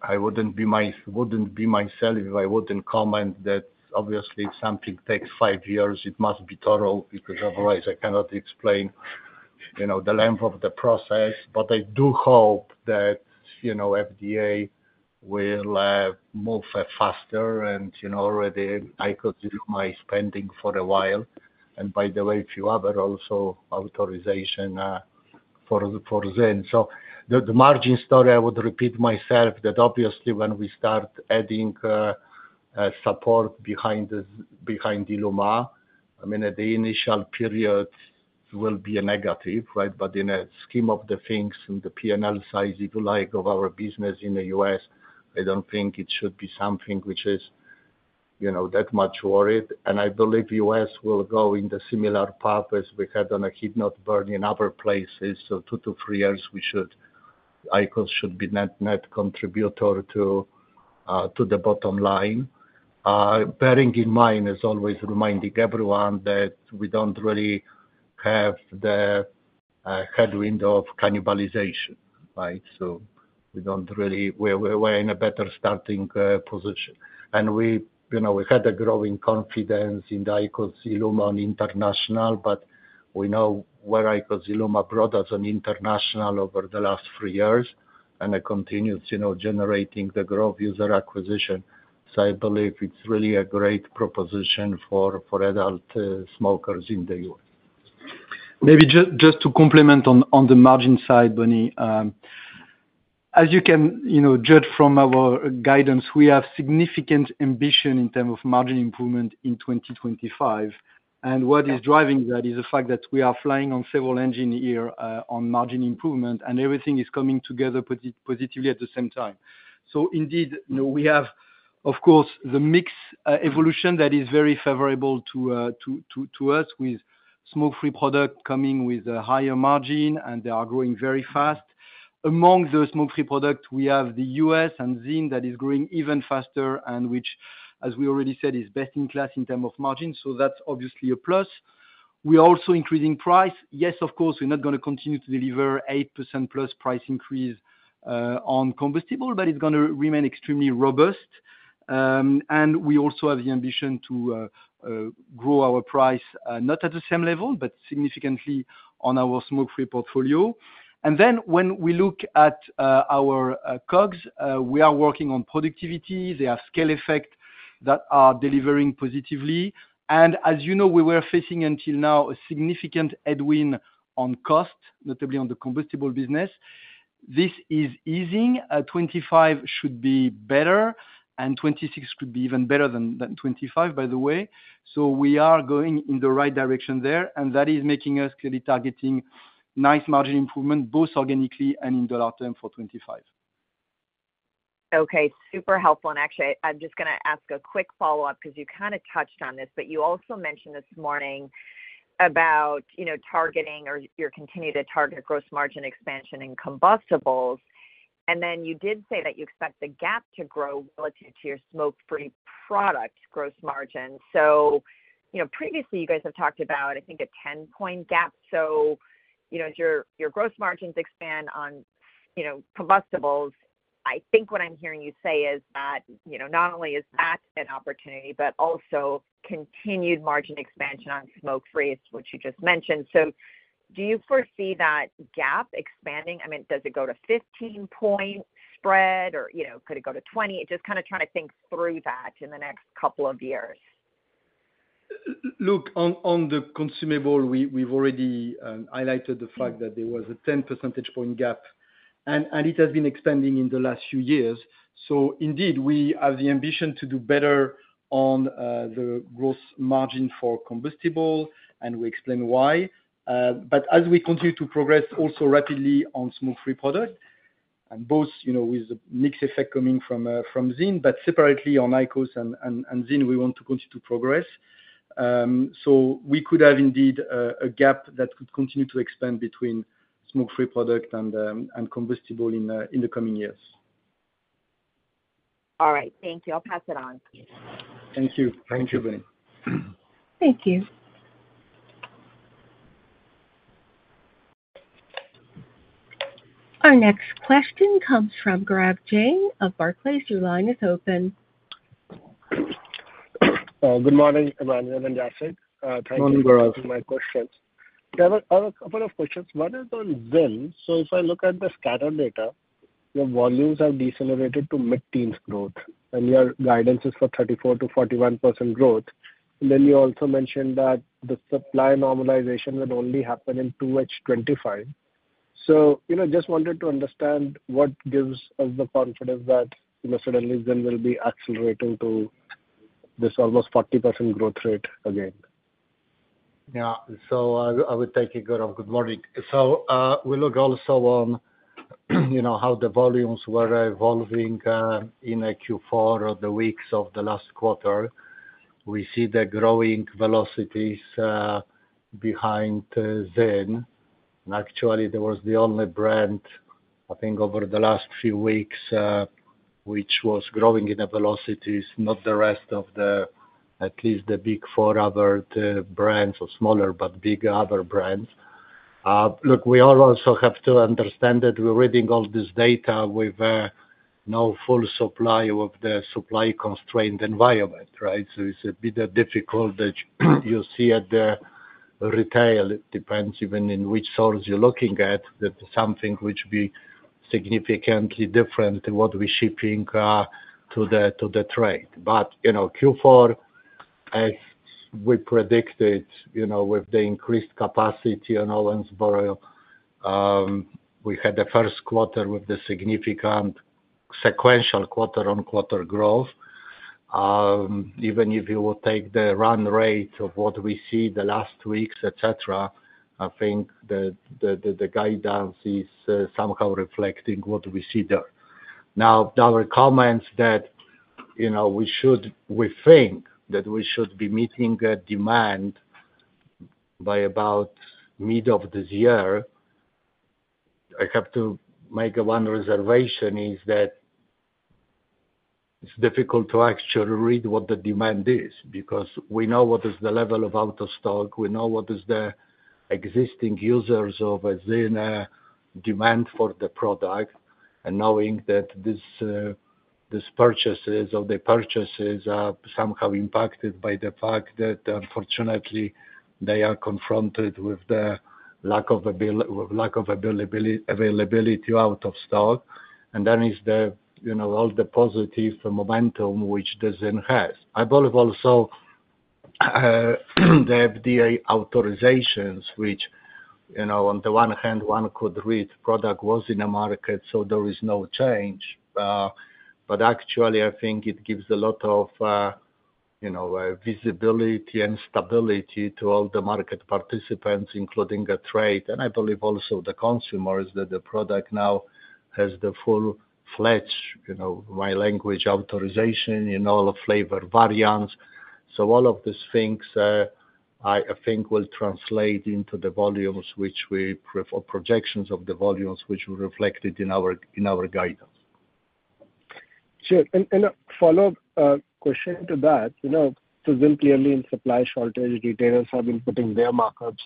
I wouldn't be myself if I wouldn't comment that obviously if something takes five years, it must be thorough because otherwise I cannot explain the length of the process, but I do hope that FDA will move faster and already IQOS ILUMA is pending for a while, and by the way, if you have also authorization for ZYN, so the margin story, I would repeat myself that obviously when we start adding support behind ILUMA, I mean, at the initial period, it will be a negative, right, but in the scheme of the things and the P&L size, if you like, of our business in the U.S., I don't think it should be something which is that much worried. I believe the U.S. will go on a similar path as we had on a heat-not-burn in other places. In two to three years, IQOS should be a net contributor to the bottom line. Bearing in mind, as always, reminding everyone that we don't really have the headwind of cannibalization, right? We don't really; we're in a better starting position. We have growing confidence in the IQOS ILUMA internationally, but we know what IQOS ILUMA brought us internationally over the last three years, and it continues generating growth and user acquisition. I believe it's really a great proposition for adult smokers in the U.S. Maybe just to complement on the margin side, Bonnie, as you can judge from our guidance, we have significant ambition in terms of margin improvement in 2025. What is driving that is the fact that we are flying on several engines here on margin improvement, and everything is coming together positively at the same time. So indeed, we have, of course, the mix evolution that is very favorable to us with smoke-free products coming with a higher margin, and they are growing very fast. Among those smoke-free products, we have the U.S. and ZYN that is growing even faster and which, as we already said, is best in class in terms of margin. So that's obviously a plus. We are also increasing price. Yes, of course, we're not going to continue to deliver 8%+ price increase on combustibles, but it's going to remain extremely robust. And we also have the ambition to grow our price, not at the same level, but significantly on our smoke-free portfolio. And then when we look at our COGS, we are working on productivity. They have scale effect that are delivering positively. And as you know, we were facing until now a significant headwind on cost, notably on the combustible business. This is easing. 2025 should be better, and 2026 could be even better than 2025, by the way. So we are going in the right direction there, and that is making us clearly targeting nice margin improvement, both organically and in dollar terms for 2025. Okay. Super helpful. And actually, I'm just going to ask a quick follow-up because you kind of touched on this, but you also mentioned this morning about targeting or you're continuing to target gross margin expansion in combustibles. And then you did say that you expect the gap to grow relative to your smoke-free product gross margin. So previously, you guys have talked about, I think, a 10-point gap. So as your gross margins expand on combustibles, I think what I'm hearing you say is that not only is that an opportunity, but also continued margin expansion on smoke-free, which you just mentioned. So do you foresee that gap expanding? I mean, does it go to 15-point spread, or could it go to 20? Just kind of trying to think through that in the next couple of years. Look, on the consumable, we've already highlighted the fact that there was a 10 percentage point gap, and it has been expanding in the last few years. So indeed, we have the ambition to do better on the gross margin for combustibles, and we explain why. But as we continue to progress also rapidly on smoke-free products, and both with the mixed effect coming from ZYN, but separately on IQOS and ZYN, we want to continue to progress. So we could have indeed a gap that could continue to expand between smoke-free products and combustibles in the coming years. All right. Thank you. I'll pass it on. Thank you. Thank you, Bonnie. Thank you. Our next question comes from Gaurav Jain of Barclays. Your line is open. Good morning, Emmanuel and Jacek. Thank you for my questions. I have a couple of questions. What is on ZYN? So if I look at the scan data, your volumes have decelerated to mid-teens growth, and your guidance is for 34%-41% growth. And then you also mentioned that the supply normalization would only happen in 2H 2025. So, I just wanted to understand what gives us the confidence that suddenly ZYN will be accelerating to this almost 40% growth rate again? Yeah. So, good morning. So, we look also on how the volumes were evolving in Q4 or the weeks of the last quarter. We see the growing velocities behind ZYN. And actually, there was the only brand, I think, over the last few weeks, which was growing in velocities, not the rest of the, at least the big four other brands, or smaller, but big other brands. Look, we also have to understand that we're reading all this data with no full supply of the supply constrained environment, right? So, it's a bit difficult that you see at the retail. It depends even in which source you're looking at, that something which would be significantly different than what we're shipping to the trade. But Q4, as we predicted with the increased capacity on Owensboro, we had the first quarter with the significant sequential quarter-on-quarter growth. Even if you would take the run rate of what we see the last weeks, etc., I think the guidance is somehow reflecting what we see there. Now, our comments that we think that we should be meeting demand by about mid of this year, I have to make one reservation is that it's difficult to actually read what the demand is because we know what is the level of out-of-stock. We know what the existing users of ZYN demand for the product, and knowing that these purchases or the purchases are somehow impacted by the fact that, unfortunately, they are confronted with the lack of availability out of stock. Then it's all the positive momentum which the ZYN has. I believe also the FDA authorizations, which on the one hand, one could read product was in the market, so there is no change. Actually, I think it gives a lot of visibility and stability to all the market participants, including the trade. I believe also the consumers that the product now has the full-fledged, my language, authorization in all flavor variants. So all of these things, I think, will translate into the volumes, which we projections of the volumes, which will reflect it in our guidance. Sure. A follow-up question to that. ZYN clearly in supply shortage, retailers have been putting their markups.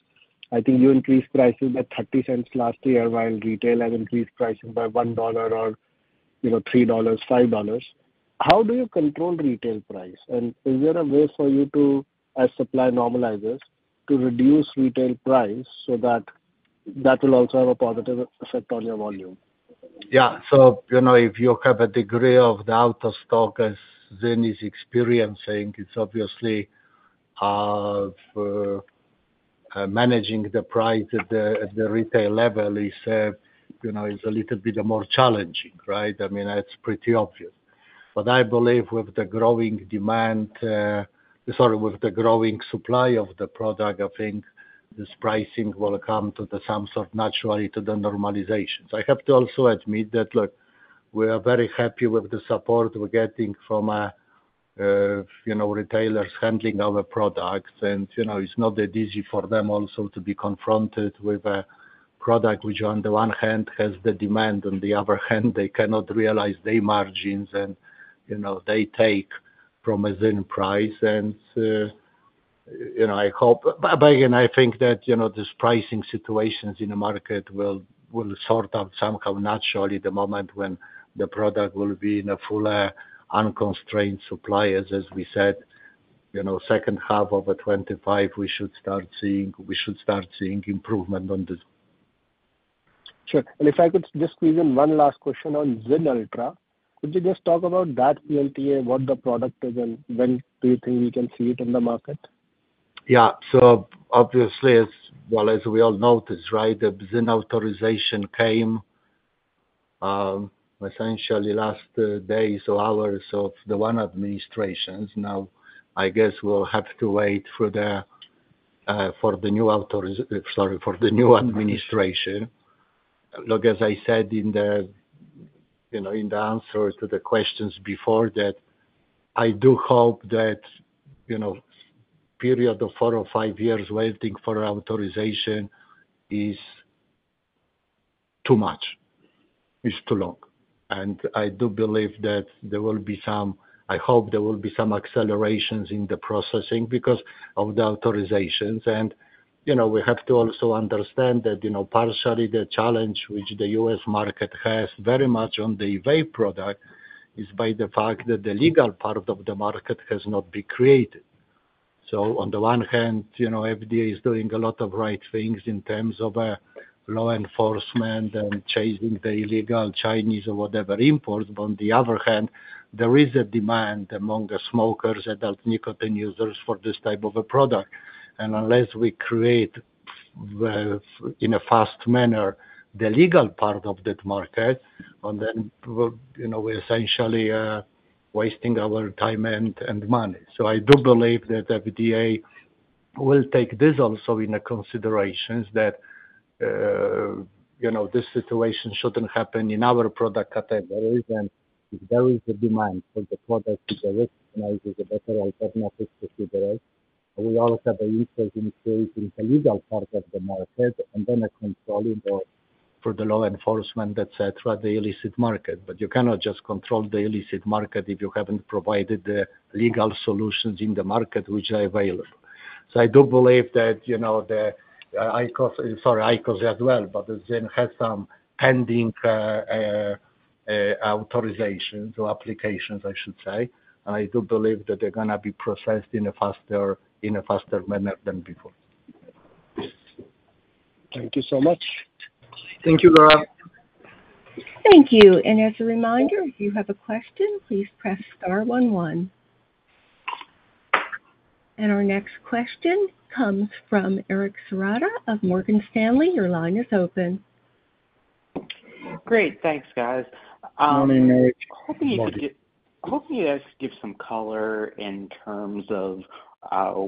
I think you increased prices by $0.30 last year, while retail has increased pricing by $1 or $3-$5. How do you control retail price? And is there a way for you to, as supply normalizes, to reduce retail price so that that will also have a positive effect on your volume? Yeah. So if you have a degree of the out-of-stock as ZYN is experiencing, it's obviously managing the price at the retail level is a little bit more challenging, right? I mean, it's pretty obvious. But I believe with the growing demand, sorry, with the growing supply of the product, I think this pricing will come to some sort of natural to the normalization. So I have to also admit that, look, we are very happy with the support we're getting from retailers handling our products. And it's not that easy for them also to be confronted with a product which, on the one hand, has the demand, on the other hand, they cannot realize their margins and they take from a ZYN price. And I hope, but again, I think that this pricing situations in the market will sort out somehow naturally the moment when the product will be in a fuller unconstrained supply. As we said, second half of 2025, we should start seeing improvement on this. Sure. And if I could just squeeze in one last question on ZYN Ultra, could you just talk about that PMTA, what the product is, and when do you think we can see it in the market? Yeah. Obviously, well, as we all noticed, right, the ZYN authorization came essentially in the last days or hours of the one administration. Now, I guess we'll have to wait for the new administration. Look, as I said in the answer to the questions before, that I do hope that period of four or five years waiting for authorization is too much. It's too long. And I do believe that there will be some accelerations in the processing, I hope, because of the authorizations. And we have to also understand that partially the challenge which the U.S. market has very much on the e-vapor product is by the fact that the legal part of the market has not been created. On the one hand, FDA is doing a lot of right things in terms of law enforcement and chasing the illegal Chinese or whatever imports. But on the other hand, there is a demand among smokers, adult nicotine users for this type of a product. And unless we create in a fast manner the legal part of that market, and then we're essentially wasting our time and money. So I do believe that FDA will take this also into consideration that this situation shouldn't happen in our product categories. And if there is a demand for the product to be recognized as a better alternative to cigarettes, we also have an interest in creating the legal part of the market and then controlling for the law enforcement, etc., the illicit market. But you cannot just control the illicit market if you haven't provided the legal solutions in the market which are available. So I do believe that IQOS, sorry, IQOS as well, but ZYN has some pending authorizations or applications, I should say. And I do believe that they're going to be processed in a faster manner than before. Thank you so much. Thank you, Gaurav. Thank you. And as a reminder, if you have a question, please press star one one. And our next question comes from Erik Serotta of Morgan Stanley. Your line is open. Great. Thanks, guys. Good morning, Eric. Hopefully, I could give some color in terms of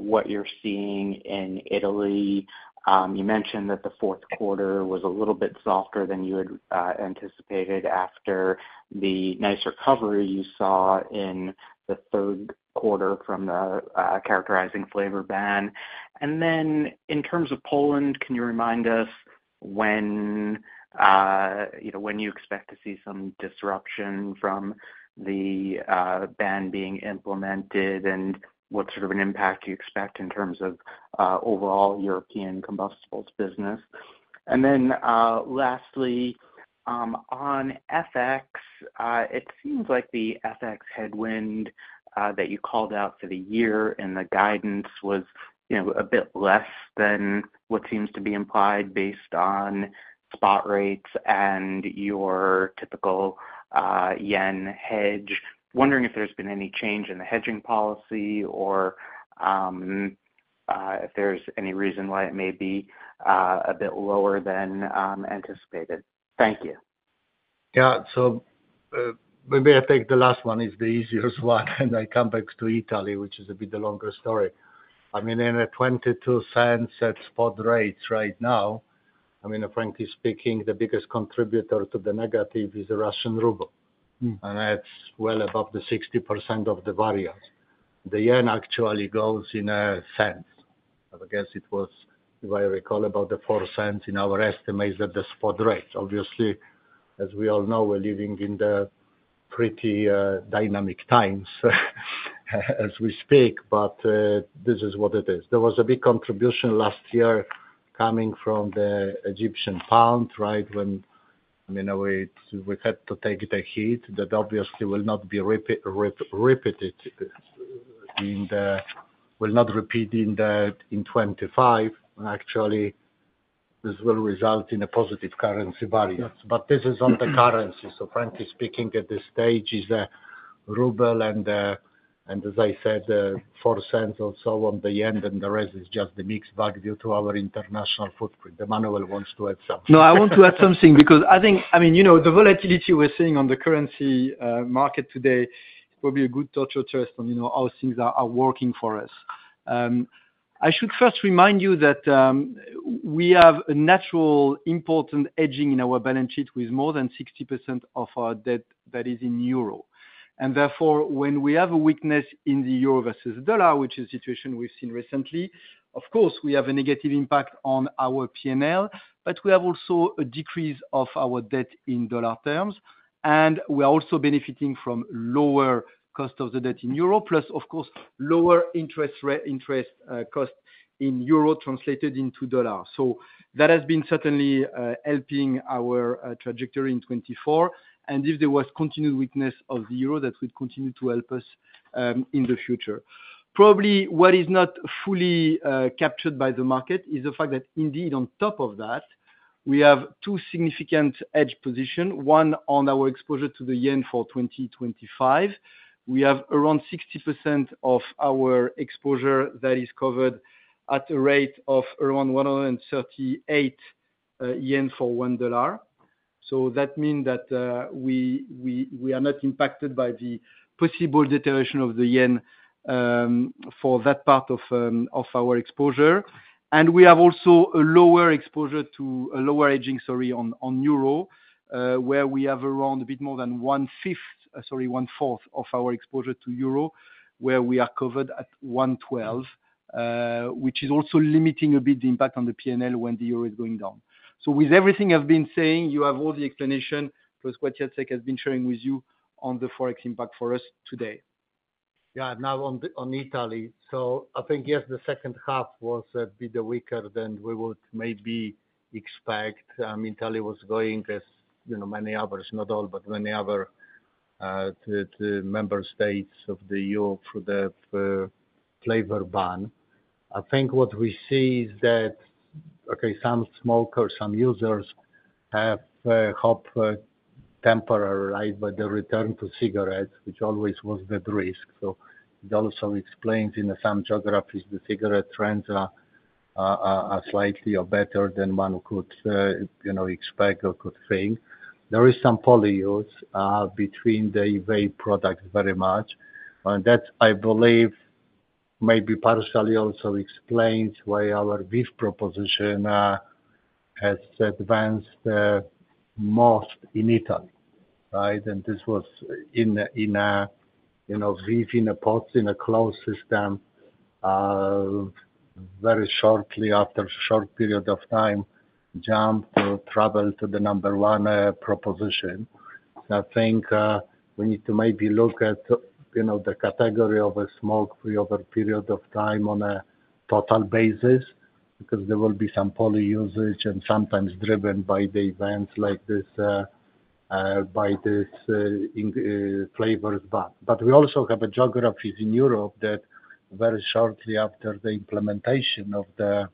what you're seeing in Italy. You mentioned that the fourth quarter was a little bit softer than you had anticipated after the nice recovery you saw in the third quarter from the characterizing flavor ban. In terms of Poland, can you remind us when you expect to see some disruption from the ban being implemented and what sort of an impact you expect in terms of overall European combustibles business? And then lastly, on FX, it seems like the FX headwind that you called out for the year in the guidance was a bit less than what seems to be implied based on spot rates and your typical yen hedge. Wondering if there's been any change in the hedging policy or if there's any reason why it may be a bit lower than anticipated. Thank you. Yeah. So maybe I think the last one is the easiest one, and I come back to Italy, which is a bit of a longer story. I mean, in the $0.22 at spot rates right now, I mean, frankly speaking, the biggest contributor to the negative is the Russian ruble, and that's well above the 60% of the variance. The yen actually goes in a cent. I guess it was, if I recall, about the $0.04 in our estimates at the spot rates. Obviously, as we all know, we're living in the pretty dynamic times as we speak, but this is what it is. There was a big contribution last year coming from the Egyptian pound, right? I mean, we had to take the heat that obviously will not be repeated in 2025, and actually, this will result in a positive currency variance. But this is on the currency, so frankly speaking, at this stage, it's a ruble. As I said, $0.04 or so on the yen, and the rest is just the mixed bag due to our international footprint. Emmanuel wants to add something. No, I want to add something because I think, I mean, the volatility we're seeing on the currency market today is probably a good touch of trust on how things are working for us. I should first remind you that we have a natural important hedging in our balance sheet with more than 60% of our debt that is in euro. And therefore, when we have a weakness in the euro versus dollar, which is a situation we've seen recently, of course, we have a negative impact on our P&L, but we have also a decrease of our debt in dollar terms. And we are also benefiting from lower cost of the debt in euro, plus, of course, lower interest cost in euro translated into dollar. So that has been certainly helping our trajectory in 2024. And if there was continued weakness of the euro, that would continue to help us in the future. Probably what is not fully captured by the market is the fact that indeed, on top of that, we have two significant hedge positions, one on our exposure to the yen for 2025. We have around 60% of our exposure that is covered at a rate of around 138 yen for one dollar. So that means that we are not impacted by the possible deterioration of the JPY for that part of our exposure. And we have also a lower exposure to a lower hedging, sorry, on euro, where we have around a bit more than one-fifth, sorry, one-fourth of our exposure to euro, where we are covered at one-twelve, which is also limiting a bit the impact on the P&L when the euro is going down. So with everything I've been saying, you have all the explanation, plus what Jacek has been sharing with you on the Forex impact for us today. Yeah. Now, on Italy, so I think, yes, the second half was a bit weaker than we would maybe expect. I mean, Italy was going as many others, not all, but many other member states of the EU for the flavor ban. I think what we see is that, okay, some smokers, some users have hope temporarily by the return to cigarettes, which always was the risk. So it also explains in some geographies the cigarette trends are slightly better than one could expect or could think. There is some poly use between the e-vapor products very much. And that, I believe, maybe partially also explains why our VEEV proposition has advanced most in Italy, right? And this was in a VEEV, in pods, in a closed system, very shortly after a short period of time, jumped or traveled to the number one proposition. So I think we need to maybe look at the category of a smoke-free over a period of time on a total basis because there will be some poly usage and sometimes driven by the events like this, by this flavors ban. But we also have geographies in Europe that very shortly after the implementation of the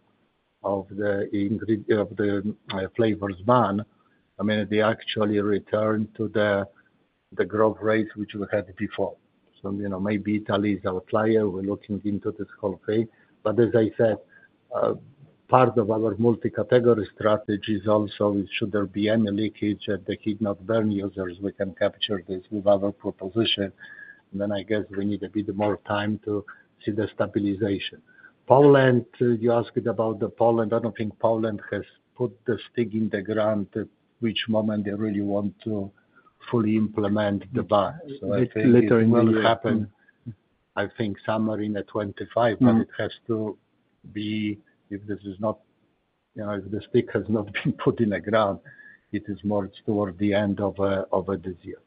flavors ban, I mean, they actually returned to the growth rates which we had before. So maybe Italy is outlier. We're looking into this whole thing. But as I said, part of our multi-category strategy is also, should there be any leakage at the heat-not-burn users, we can capture this with our proposition. And then I guess we need a bit more time to see the stabilization. Poland, you asked about the Poland. I don't think Poland has put the stick in the ground at which moment they really want to fully implement the ban. So I think it will happen, I think, somewhere in 2025, but it has to be if this is not if the stick has not been put in the ground, it is more toward the end of this year.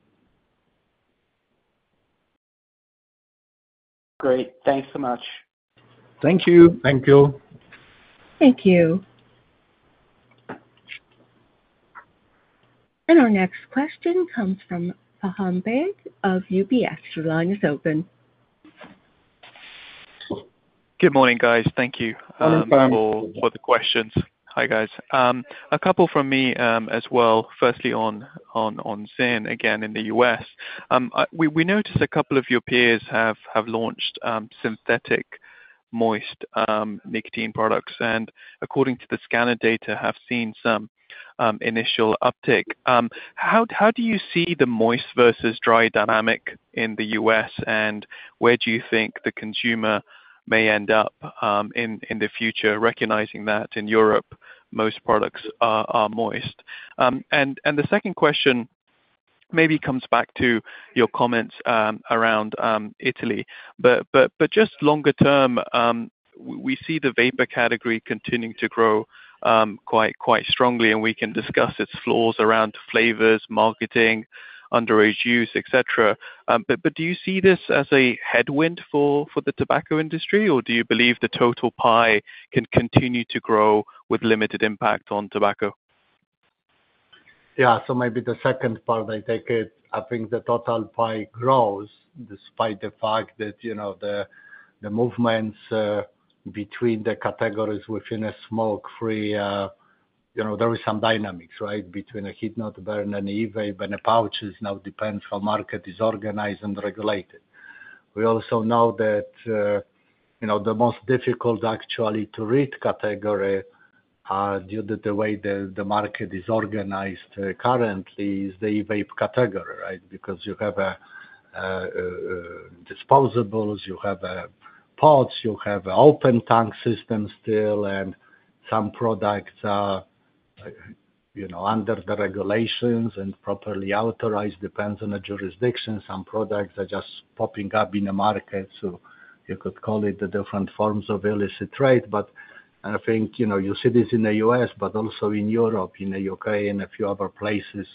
Great. Thanks so much. Thank you. Thank you. Thank you. And our next question comes from Faham Baig of UBS. Your line is open. Good morning, guys. Thank you for the questions. Hi, guys. A couple from me as well, firstly on ZYN again in the US. We noticed a couple of your peers have launched synthetic moist nicotine products. And according to the scanner data, have seen some initial uptake. How do you see the moist versus dry dynamic in the U.S.? And where do you think the consumer may end up in the future, recognizing that in Europe, most products are moist? And the second question maybe comes back to your comments around Italy. But just longer term, we see the vapor category continuing to grow quite strongly. And we can discuss its flaws around flavors, marketing, underage use, etc. But do you see this as a headwind for the tobacco industry? Or do you believe the total pie can continue to grow with limited impact on tobacco? Yeah. So maybe the second part, I think the total pie grows despite the fact that the movements between the categories within smoke-free, there is some dynamics, right, between heat-not-burn and e-vapor and pouches now depends how the market is organized and regulated. We also know that the most difficult actually to read category due to the way the market is organized currently is the e-vapor category, right? Because you have disposables, you have pods, you have open tank systems still, and some products are under the regulations and properly authorized depends on the jurisdiction. Some products are just popping up in the market. So you could call it the different forms of illicit trade. But I think you see this in the U.S., but also in Europe, in the U.K., and a few other places,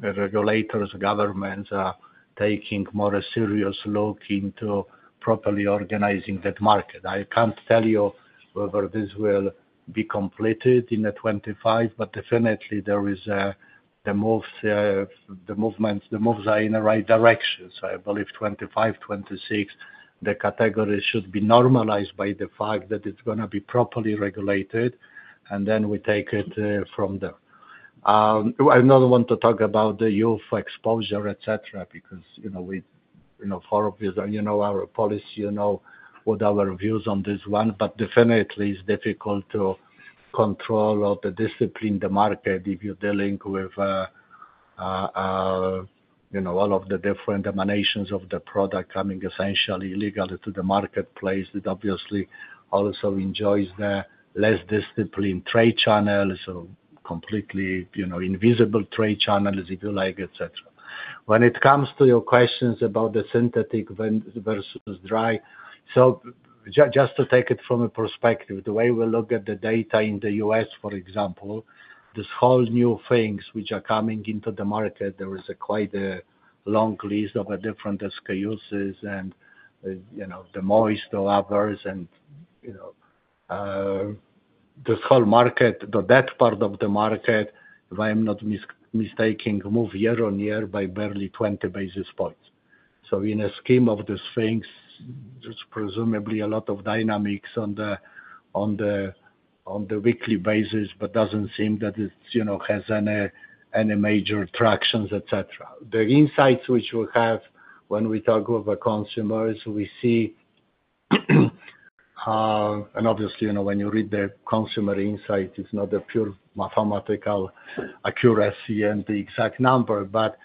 regulators, governments are taking more serious look into properly organizing that market. I can't tell you whether this will be completed in 2025, but definitely there is the movements, the moves are in the right direction. So I believe 2025, 2026, the category should be normalized by the fact that it's going to be properly regulated. And then we take it from there. I don't want to talk about the youth exposure, etc., because, obviously, you know our policy, you know what our views on this one. But definitely, it's difficult to control or to discipline the market if you're dealing with all of the different emanations of the product coming essentially illegally to the marketplace that obviously also enjoys the less disciplined trade channels, so completely invisible trade channels, if you like, etc. When it comes to your questions about the synthetic versus dry, so just to take it from a perspective, the way we look at the data in the U.S., for example, there's whole new things which are coming into the market. There is quite a long list of different SKUs and the moist or others. And this whole market, the dry part of the market, if I'm not mistaken, move year on year by barely 20 basis points. In the scheme of things, there's presumably a lot of dynamics on a weekly basis, but it doesn't seem that it has any major traction, etc. The insights which we have when we talk with the consumers, we see, and obviously, when you read the consumer insight, it's not a pure mathematical accuracy and the exact number. But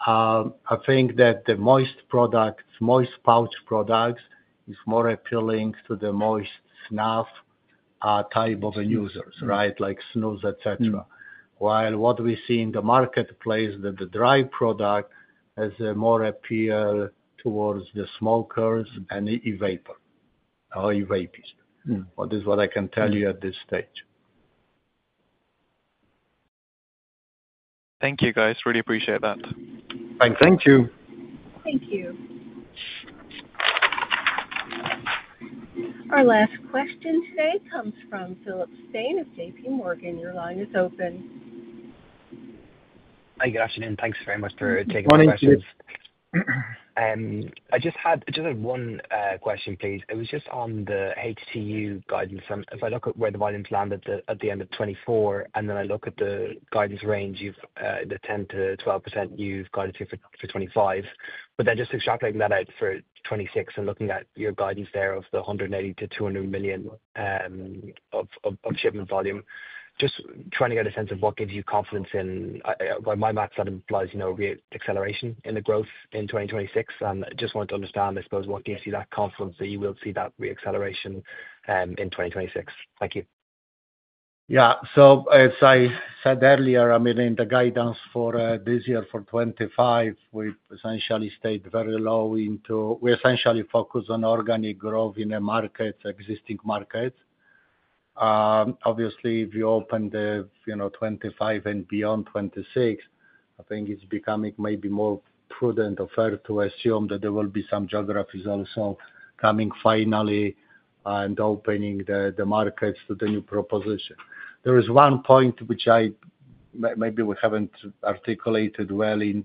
I think that the moist products, moist pouch products, is more appealing to the moist snuff type of users, right, like snus, etc. While what we see in the marketplace, the dry product has more appeal towards the smokers and the vapor or vapes. That is what I can tell you at this stage. Thank you, guys. Really appreciate that. Thank you. Thank you. Our last question today comes from Philip Stein of JP Morgan. Your line is open. Hi, good afternoon. Thanks very much for taking the question. Good morning, Philip. I just had one question, please. It was just on the HTU guidance. If I look at where the volumes landed at the end of 2024, and then I look at the guidance range, the 10%-12% you've guided for 2025, but then just extracting that out for 2026 and looking at your guidance there of the 180 million-200 million of shipment volume, just trying to get a sense of what gives you confidence in my math, that implies reacceleration in the growth in 2026. And I just want to understand, I suppose, what gives you that confidence that you will see that reacceleration in 2026. Thank you. Yeah. So as I said earlier, I mean, in the guidance for this year for 2025, we essentially stayed very low into we essentially focused on organic growth in existing markets. Obviously, if you open 2025 and beyond 2026, I think it's becoming maybe more prudent or fair to assume that there will be some geographies also coming finally and opening the markets to the new proposition. There is one point which maybe we haven't articulated well in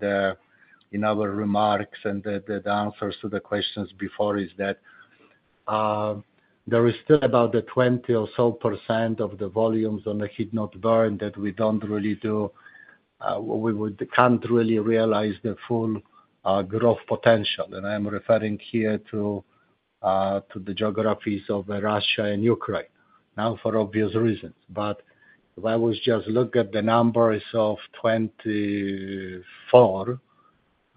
our remarks and the answers to the questions before is that there is still about the 20% or so of the volumes on the heat-not-burn that we don't really do, we can't really realize the full growth potential. I'm referring here to the geographies of Russia and Ukraine, now for obvious reasons. But if I was just looking at the numbers of 2024,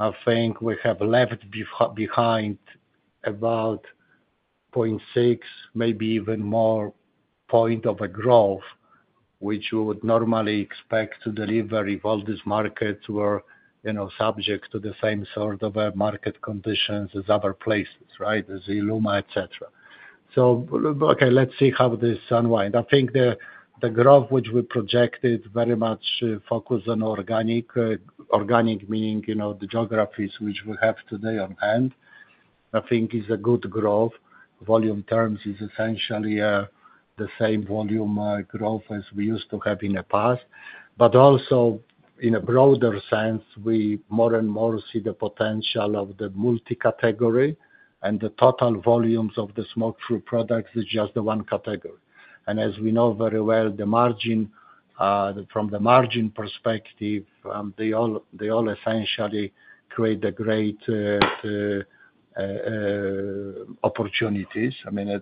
I think we have left behind about 0.6, maybe even more point of a growth, which we would normally expect to deliver if all these markets were subject to the same sort of market conditions as other places, right, as ILUMA, etc. So, okay, let's see how this unwinds. I think the growth which we projected very much focused on organic, organic meaning the geographies which we have today on hand, I think is a good growth. Volume terms is essentially the same volume growth as we used to have in the past. But also in a broader sense, we more and more see the potential of the multi-category and the total volumes of the smoke-free products is just the one category. And as we know very well, from the margin perspective, they all essentially create great opportunities. I mean,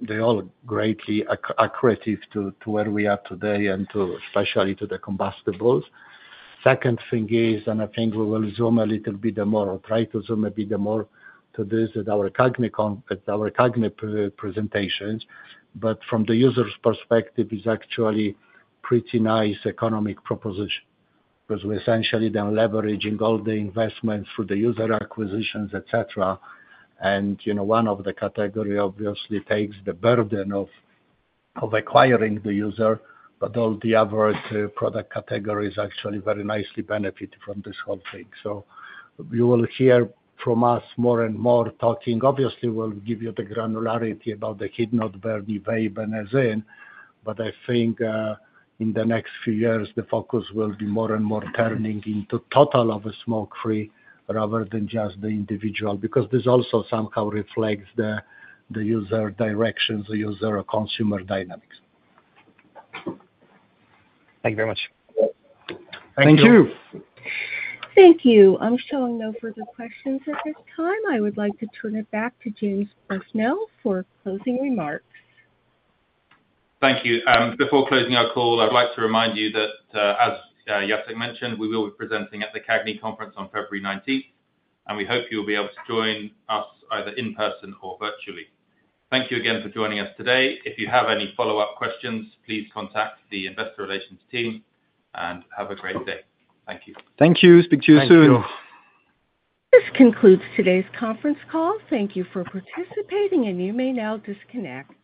they're all greatly accurate to where we are today and especially to the combustibles. Second thing is, and I think we will zoom a little bit more, try to zoom a bit more to this at our CAGNY presentations. But from the user's perspective, it's actually a pretty nice economic proposition because we're essentially then leveraging all the investments for the user acquisitions, etc. And one of the categories obviously takes the burden of acquiring the user, but all the other product categories actually very nicely benefit from this whole thing. So you will hear from us more and more talking. Obviously, we'll give you the granularity about the heat-not-burn, e-vape, and ZYN, but I think in the next few years, the focus will be more and more turning into total smoke-free rather than just the individual because this also somehow reflects the user directions, the user consumer dynamics. Thank you very much. Thank you. Thank you. I'm showing no further questions at this time. I would like to turn it back to James Bushnell for closing remarks. Thank you. Before closing our call, I'd like to remind you that, as Jacek mentioned, we will be presenting at the CAGNY Conference on February 19th, and we hope you'll be able to join us either in person or virtually. Thank you again for joining us today. If you have any follow-up questions, please contact the investor relations team and have a great day. Thank you. Thank you. Speak to you soon. Thank you. This concludes today's conference call. Thank you for participating, and you may now disconnect.